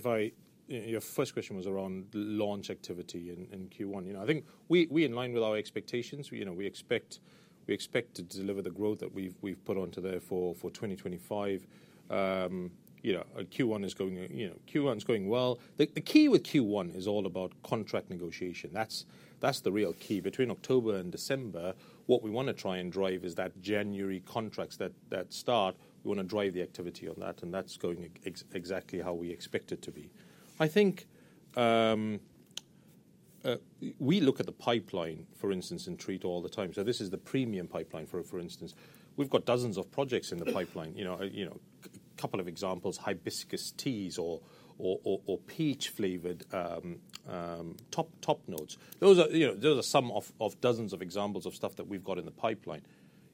your first question was around launch activity in Q1, you know, I think we're in line with our expectations, you know, we expect to deliver the growth that we've put out there for 2025. You know, Q1 is going well. The key with Q1 is all about contract negotiation. That's the real key between October and December. What we want to try and drive is that January contracts that start. We want to drive the activity on that, that's going exactly how we expect it to be. I think we look at the pipeline, for instance, in Treatt all the time. So this is the premium pipeline for instance. We've got dozens of projects in the pipeline, you know, a couple of examples, hibiscus teas or peach flavored top notes. Those are, you know, those are some of dozens of examples of stuff that we've got in the pipeline.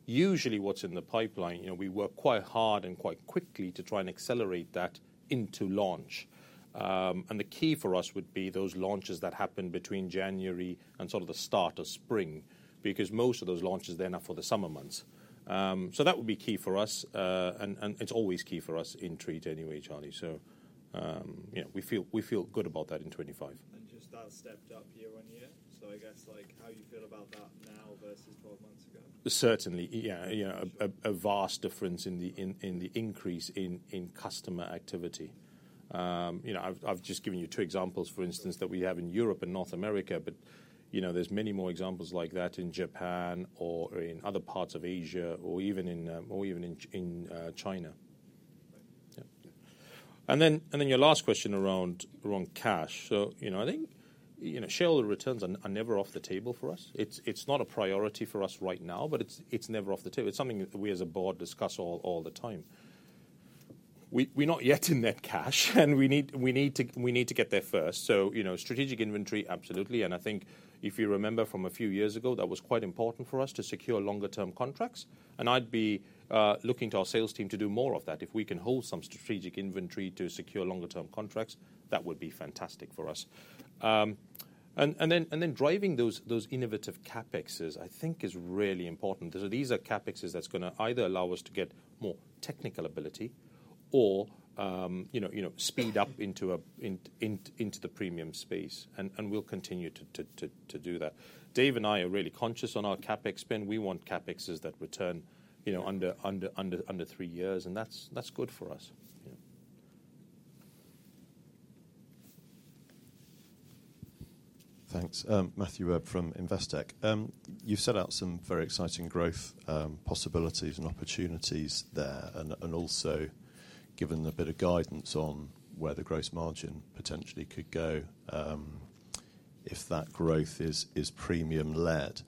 Usually what's in the pipeline, you know, we work quite hard and quite quickly to try and accelerate that into launch, and the key for us would be those launches that happen between January and sort of the start of spring because most of those launches then are for the summer months, so that would be key for us, and it's always key for us in Treatt anyway, Charlie. So, you know, we feel good about that in 2025. And just that stepped up year on year. So I guess like how you feel about that now versus 12 months ago. Certainly, yeah. You know, a vast difference in the increase in customer activity. You know, I've just given you two examples, for instance, that we have in Europe and North America, but you know, there's many more examples like that in Japan or in other parts of Asia or even in China. Yeah. And then your last question around cash. So, you know, I think, you know, shareholder returns are never off the table for us. It's not a priority for us right now, but it's never off the table. It's something that we as a board discuss all the time. We're not yet in that cash and we need to get there first. So, you know, strategic inventory, absolutely. And I think if you remember from a few years ago, that was quite important for us to secure longer term contracts. And I'd be looking to our sales team to do more of that. If we can hold some strategic inventory to secure longer term contracts, that would be fantastic for us. And then driving those innovative CapExes, I think is really important. These are CapExes that's going to either allow us to get more technical ability or, you know, speed up into the premium space. And we'll continue to do that. Dave and I are really conscious on our CapEx spend. We want CapExes that return, you know, under three years. And that's good for us. Thanks. Matthew Webb from Investec. You've set out some very exciting growth possibilities and opportunities there. And also given a bit of guidance on where the gross margin potentially could go, if that growth is premium led.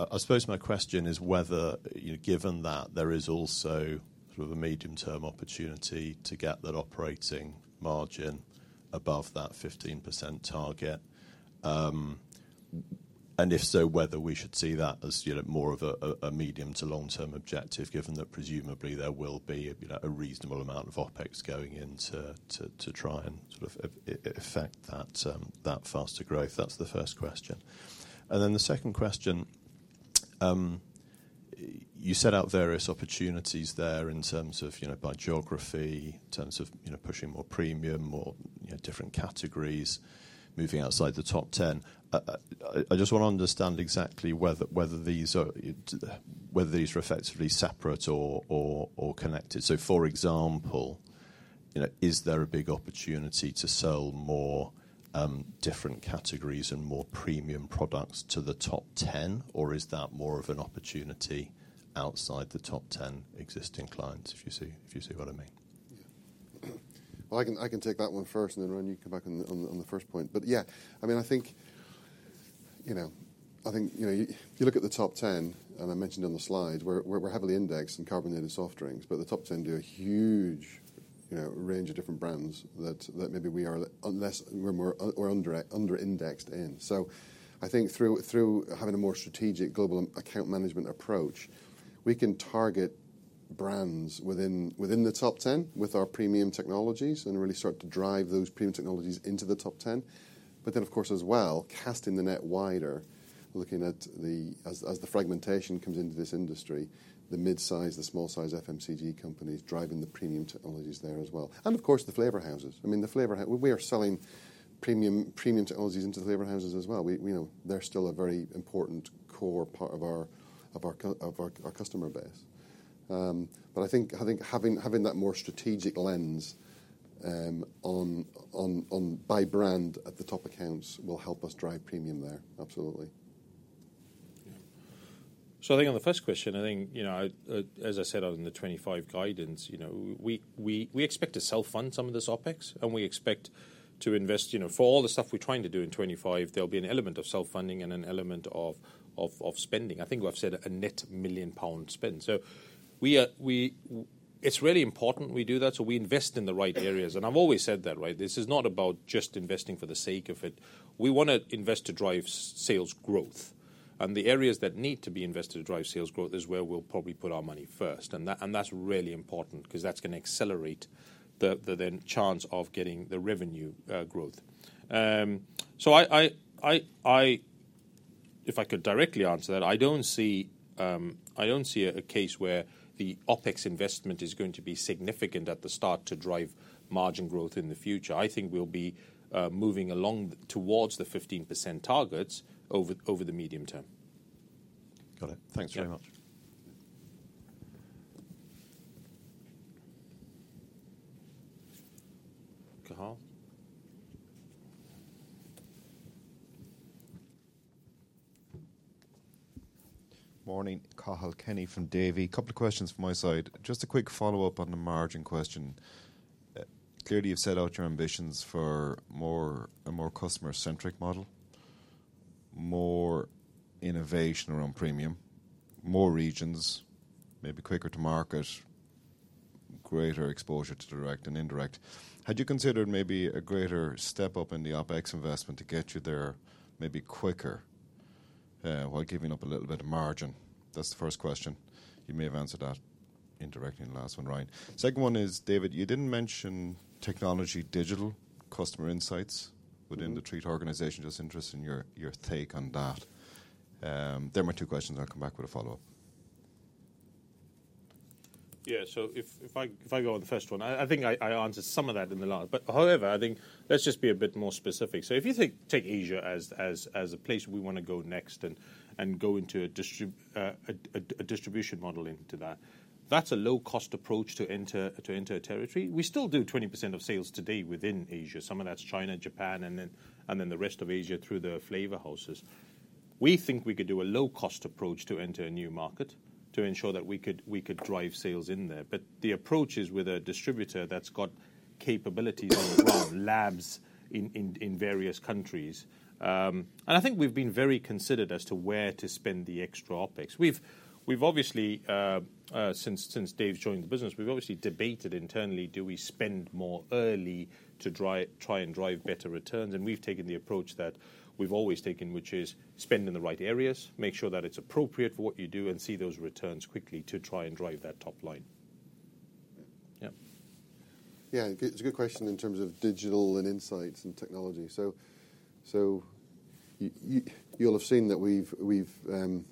I suppose my question is whether, you know, given that there is also sort of a medium-term opportunity to get that operating margin above that 15% target. And if so, whether we should see that as, you know, more of a medium to long term objective, given that presumably there will be a, you know, a reasonable amount of OpEx going in to try and sort of affect that faster growth. That's the first question. Then the second question, you set out various opportunities there in terms of, you know, by geography, in terms of, you know, pushing more premium or, you know, different categories moving outside the top 10. I just want to understand exactly whether these are effectively separate or connected. So for example, you know, is there a big opportunity to sell more different categories and more premium products to the top 10? Or is that more of an opportunity outside the top 10 existing clients? If you see what I mean. Yeah. Well, I can take that one first and then Ryan, you can come back on the first point. But yeah, I mean, I think, you know, I think, you know, you look at the top 10 and I mentioned on the slide where we're heavily indexed in carbonated soft drinks, but the top 10 do a huge, you know, range of different brands that maybe we are under indexed in. So I think through having a more strategic global account management approach, we can target brands within the top 10 with our premium technologies and really start to drive those premium technologies into the top 10. But then of course as well, casting the net wider, looking at, as the fragmentation comes into this industry, the mid-size, the small size FMCG companies driving the premium technologies there as well. And of course the flavor houses. I mean, the flavor house, we are selling premium, premium technologies into the flavor houses as well. We, you know, they're still a very important core part of our customer base. But I think having that more strategic lens on by brand at the top accounts will help us drive premium there. Absolutely. Yeah. So I think on the first question, I think, you know, as I said on the 2025 guidance, you know, we expect to self-fund some of this OpEx and we expect to invest, you know, for all the stuff we're trying to do in 2025, there'll be an element of self-funding and an element of spending. I think we've said a net 1 million pound spend. So we are, we, it's really important we do that. So we invest in the right areas. I've always said that, right? This is not about just investing for the sake of it. We want to invest to drive sales growth. And the areas that need to be invested to drive sales growth is where we'll probably put our money first. And that, and that's really important because that's going to accelerate the chance of getting the revenue growth. So I, if I could directly answer that, I don't see a case where the OpEx investment is going to be significant at the start to drive margin growth in the future. I think we'll be moving along towards the 15% targets over the medium term. Got it. Thanks very much. Morning. Cathal Kenny from Davy. Couple of questions from my side. Just a quick follow-up on the margin question. Clearly, you've set out your ambitions for more, a more customer-centric model, more innovation around premium, more regions, maybe quicker to market, greater exposure to direct and indirect. Had you considered maybe a greater step up in the OpEx investment to get you there maybe quicker, while giving up a little bit of margin? That's the first question. You may have answered that indirectly in the last one, Ryan. Second one is, David, you didn't mention technology, digital customer insights within the Treatt organization. Just interested in your take on that. Those are my two questions. I'll come back with a follow-up. Yeah. So if I go on the first one, I think I answered some of that in the last, but however, I think let's just be a bit more specific. So if you take Asia as a place we want to go next and go into a distribution model into that, that's a low-cost approach to enter a territory. We still do 20% of sales today within Asia. Some of that's China, Japan, and then the rest of Asia through the flavor houses. We think we could do a low-cost approach to enter a new market to ensure that we could drive sales in there. But the approach is with a distributor that's got capabilities on the ground, labs in various countries, and I think we've been very considerate as to where to spend the extra OpEx. We've obviously, since Dave's joined the business, debated internally, do we spend more early to try and drive better returns? And we've taken the approach that we've always taken, which is spend in the right areas, make sure that it's appropriate for what you do and see those returns quickly to try and drive that top line. Yeah. Yeah. It's a good question in terms of digital and insights and technology. So you, you'll have seen that we've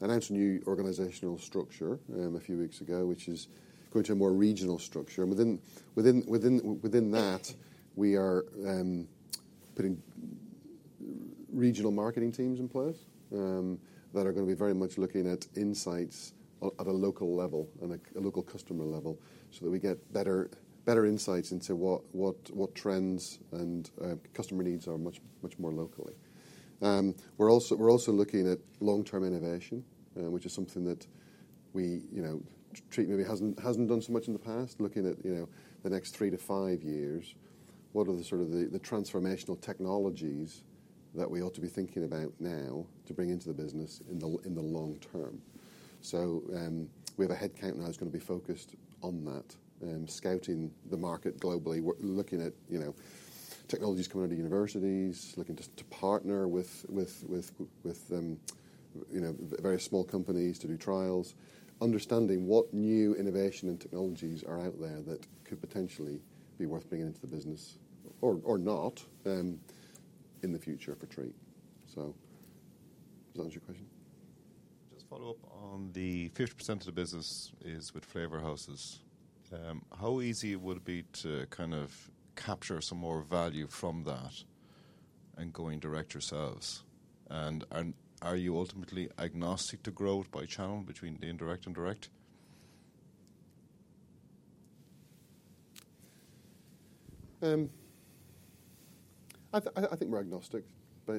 announced a new organizational structure a few weeks ago, which is going to a more regional structure. And within that, we are putting regional marketing teams in place that are going to be very much looking at insights at a local level and a local customer level so that we get better insights into what trends and customer needs are much more locally. We're also looking at long-term innovation, which is something that we, you know, Treatt maybe hasn't done so much in the past, looking at, you know, the next three to five years, what are the sort of transformational technologies that we ought to be thinking about now to bring into the business in the long term. So, we have a headcount now that's going to be focused on that, scouting the market globally. We're looking at, you know, technologies coming out of universities, looking to partner with, you know, various small companies to do trials, understanding what new innovation and technologies are out there that could potentially be worth bringing into the business or not in the future for Treatt. So does that answer your question? Just follow up on the 50% of the business is with flavor houses. How easy would it be to kind of capture some more value from that and going direct yourselves? And are you ultimately agnostic to growth by channel between the indirect and direct? I think we're agnostic, but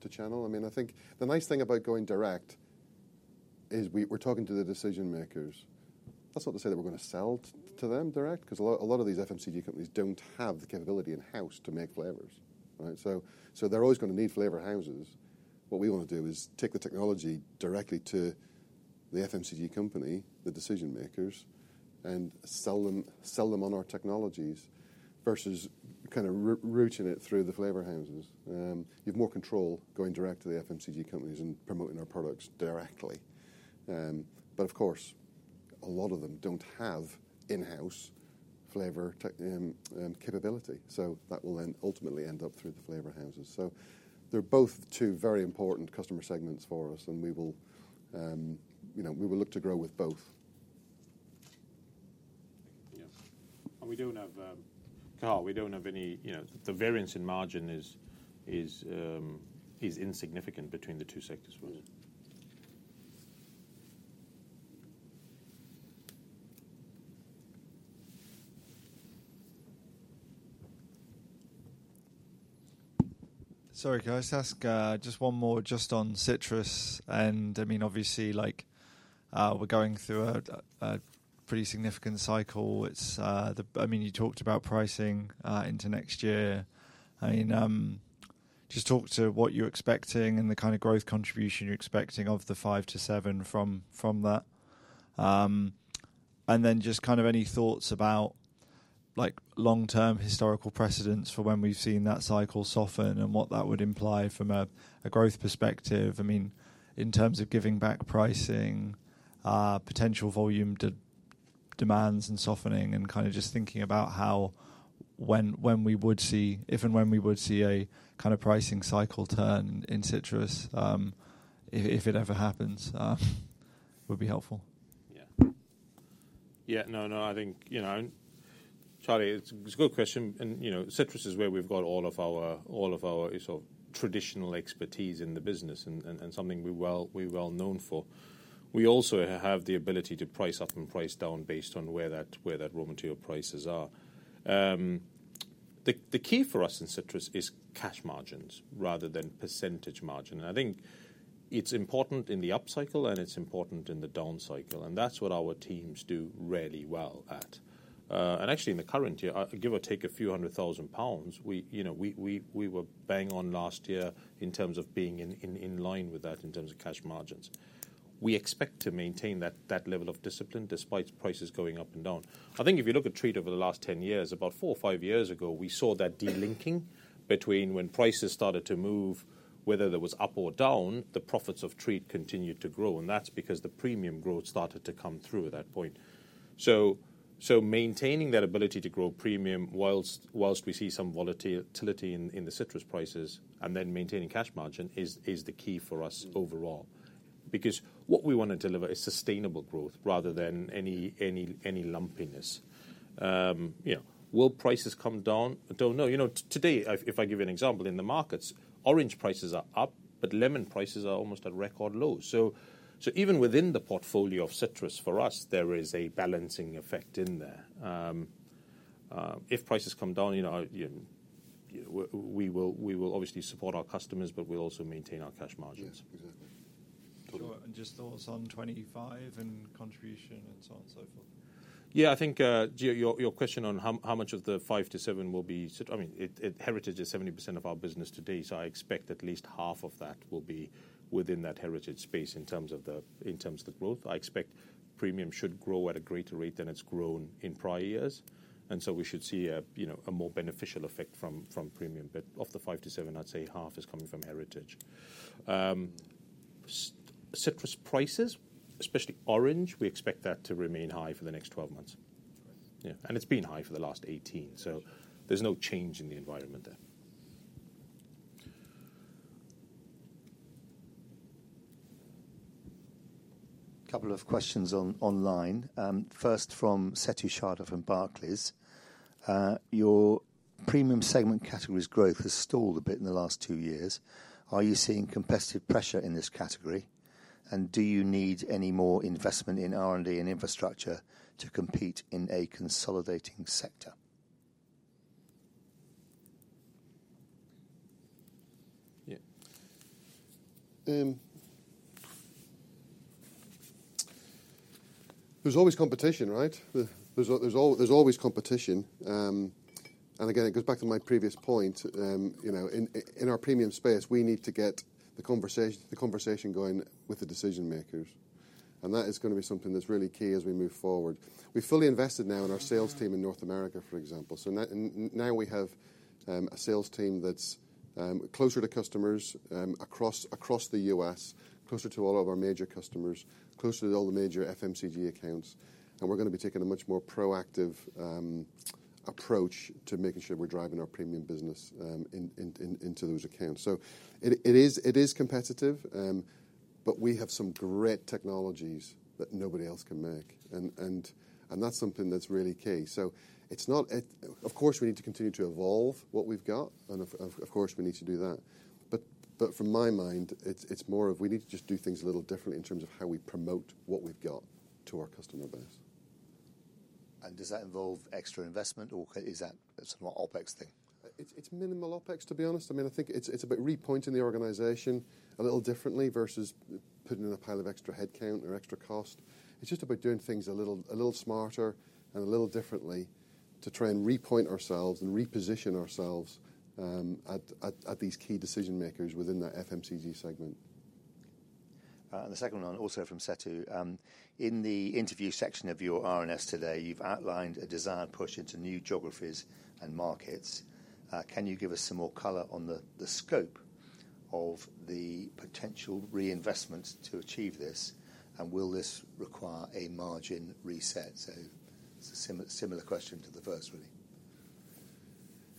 to channel. I mean, I think the nice thing about going direct is we, we're talking to the decision makers. That's not to say that we're going to sell to them direct, because a lot of these FMCG companies don't have the capability in-house to make flavors, right? So, so they're always going to need flavor houses. What we want to do is take the technology directly to the FMCG company, the decision makers, and sell them, sell them on our technologies versus kind of routing it through the flavor houses. You have more control going direct to the FMCG companies and promoting our products directly, but of course, a lot of them don't have in-house flavor capability. So that will then ultimately end up through the flavor houses. So they're both two very important customer segments for us, and we will, you know, we will look to grow with both. Yes, and we don't have, Cathal, we don't have any, you know, the variance in margin is insignificant between the two sectors for us. Sorry, can I just ask just one more just on citrus, and I mean, obviously, like, we're going through a pretty significant cycle. It's the, I mean, you talked about pricing into next year. I mean, just talk to what you're expecting and the kind of growth contribution you're expecting of the five to seven from that. And then just kind of any thoughts about like long-term historical precedents for when we've seen that cycle soften and what that would imply from a growth perspective. I mean, in terms of giving back pricing, potential volume to demands and softening and kind of just thinking about how, when we would see, if and when we would see a kind of pricing cycle turn in citrus, if it ever happens, would be helpful. Yeah. Yeah. No, no. I think, you know, Charlie, it's a good question, and you know, citrus is where we've got all of our sort of traditional expertise in the business and something we're well known for. We also have the ability to price up and price down based on where that raw material prices are. The key for us in citrus is cash margins rather than percentage margin, and I think it's important in the upcycle and it's important in the downcycle, and that's what our teams do really well at, and actually in the current year, I give or take a few hundred thousand GBP, you know, we were bang on last year in terms of being in line with that in terms of cash margins. We expect to maintain that level of discipline despite prices going up and down. I think if you look at Treatt over the last 10 years, about four or five years ago, we saw that delinking between when prices started to move, whether there was up or down, the profits of Treatt continued to grow, and that's because the premium growth started to come through at that point. So maintaining that ability to grow premium whilst we see some volatility in the citrus prices and then maintaining cash margin is the key for us overall. Because what we want to deliver is sustainable growth rather than any lumpiness. You know, will prices come down? I don't know. You know, today, if I give you an example in the markets, orange prices are up, but lemon prices are almost at record lows. So even within the portfolio of citrus for us, there is a balancing effect in there. If prices come down, you know, we will obviously support our customers, but we'll also maintain our cash margins. Yeah, exactly. Just thoughts on 2025 and contribution and so on and so forth. Yeah, I think your question on how much of the 5-7 will be citrus. I mean, it heritage is 70% of our business today. So I expect at least half of that will be within that heritage space in terms of the growth. I expect premium should grow at a greater rate than it's grown in prior years. And so we should see a, you know, a more beneficial effect from premium. But of the 5-7, I'd say half is coming from heritage. Citrus prices, especially orange, we expect that to remain high for the next 12 months. Yeah. And it's been high for the last 18. So there's no change in the environment there. Couple of questions online. First from Seth Schuster from Barclays. Your premium segment category's growth has stalled a bit in the last two years. Are you seeing competitive pressure in this category? And do you need any more investment in R&D and infrastructure to compete in a consolidating sector? Yeah. There's always competition, right? There's always competition, and again, it goes back to my previous point. You know, in our premium space, we need to get the conversation going with the decision makers. And that is going to be something that's really key as we move forward. We're fully invested now in our sales team in North America, for example. So now we have a sales team that's closer to customers across the U.S., closer to all of our major customers, closer to all the major FMCG accounts. We're going to be taking a much more proactive approach to making sure we're driving our premium business into those accounts. So it is competitive, but we have some great technologies that nobody else can make. And that's something that's really key. So it's not, of course, we need to continue to evolve what we've got. And of course, we need to do that. But from my mind, it's more of we need to just do things a little differently in terms of how we promote what we've got to our customer base. And does that involve extra investment or is that sort of an OpEx thing? It's minimal OpEx, to be honest. I mean, I think it's about repointing the organization a little differently versus putting in a pile of extra headcount or extra cost. It's just about doing things a little, a little smarter and a little differently to try and repoint ourselves and reposition ourselves at these key decision makers within that FMCG segment. And the second one also from Setu. In the interview section of your RNS today, you've outlined a desired push into new geographies and markets. Can you give us some more color on the scope of the potential reinvestments to achieve this? And will this require a margin reset? So it's a similar, similar question to the first, really.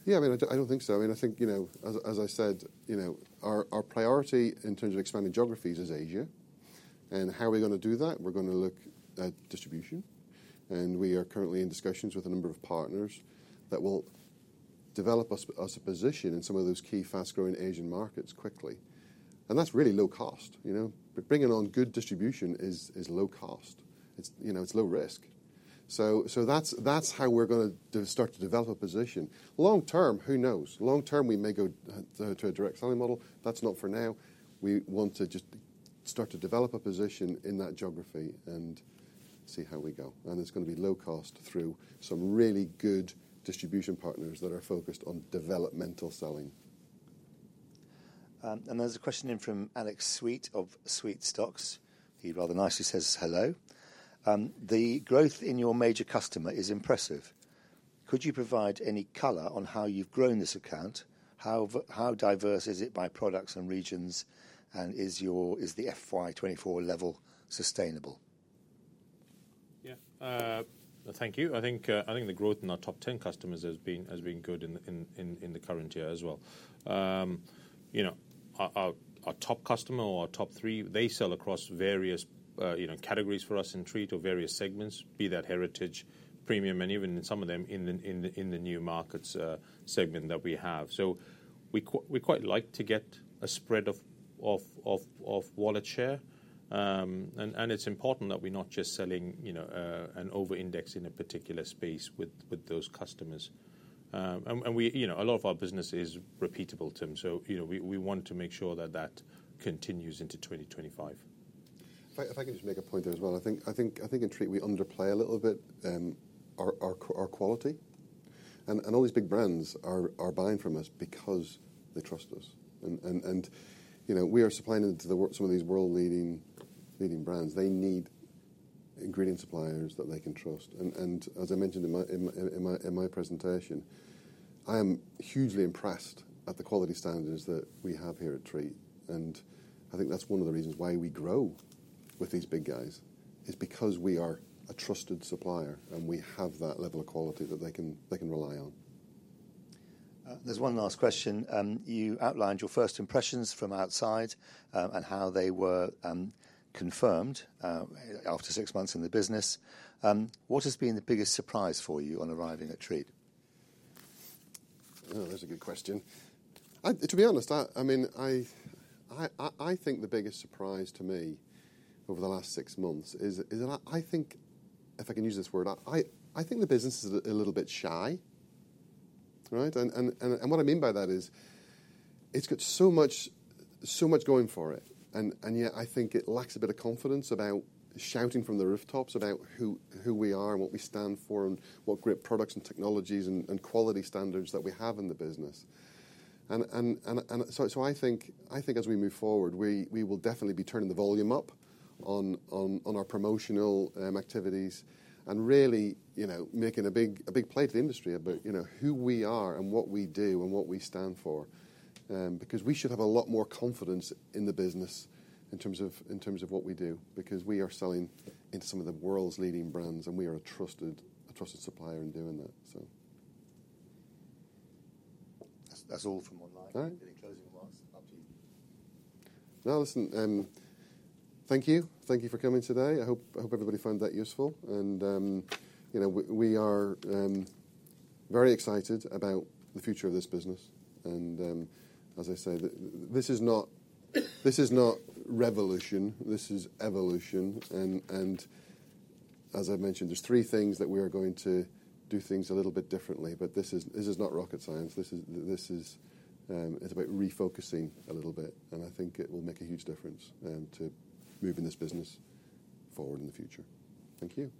Yeah, I mean, I don't think so. I mean, I think, you know, as, as I said, you know, our, our priority in terms of expanding geographies is Asia. And how are we going to do that? We're going to look at distribution. We are currently in discussions with a number of partners that will develop us as a position in some of those key fast-growing Asian markets quickly. And that's really low cost, you know? But bringing on good distribution is low cost. It's, you know, it's low risk. So that's how we're going to start to develop a position. Long term, who knows? Long term, we may go to a direct selling model. That's not for now. We want to just start to develop a position in that geography and see how we go. And it's going to be low cost through some really good distribution partners that are focused on developmental selling. And there's a question in from Alex Sweet of SweetStocks. He rather nicely says hello. The growth in your major customer is impressive. Could you provide any color on how you've grown this account? How diverse is it by products and regions? And is your, is the FY 2024 level sustainable? Yeah. Thank you. I think the growth in our top 10 customers has been good in the current year as well. You know, our top customer or our top three, they sell across various, you know, categories for us in Treatt or various segments, be that Heritage, Premium, and even in some of them in the new markets segment that we have. So we quite like to get a spread of wallet share. And it's important that we're not just selling, you know, an over-index in a particular space with those customers. And we, you know, a lot of our business is repeatable, Tim. So, you know, we want to make sure that continues into 2025. If I can just make a point there as well. I think in Treatt we underplay a little bit our quality. And all these big brands are buying from us because they trust us. And, you know, we are supplying into the works of some of these world-leading brands. They need ingredient suppliers that they can trust. And as I mentioned in my presentation, I am hugely impressed at the quality standards that we have here at Treatt. I think that's one of the reasons why we grow with these big guys is because we are a trusted supplier and we have that level of quality that they can rely on. There's one last question. You outlined your first impressions from outside, and how they were confirmed after six months in the business. What has been the biggest surprise for you on arriving at Treatt? Oh, that's a good question. To be honest, I mean, I think the biggest surprise to me over the last six months is that I think, if I can use this word, I think the business is a little bit shy, right? And what I mean by that is it's got so much going for it. And yet I think it lacks a bit of confidence about shouting from the rooftops about who we are and what we stand for and what great products and technologies and quality standards that we have in the business. And so I think as we move forward, we will definitely be turning the volume up on our promotional activities and really, you know, making a big play to the industry about, you know, who we are and what we do and what we stand for. Because we should have a lot more confidence in the business in terms of what we do because we are selling into some of the world's leading brands and we are a trusted supplier in doing that. That's all from online. Any closing remarks? Up to you. No, listen, thank you. Thank you for coming today. I hope, I hope everybody found that useful. And, you know, we, we are very excited about the future of this business. And, as I say, this is not, this is not revolution. This is evolution. And, and as I've mentioned, there's three things that we are going to do things a little bit differently. But this is, this is not rocket science. This is, this is, it's about refocusing a little bit. And I think it will make a huge difference to moving this business forward in the future. Thank you.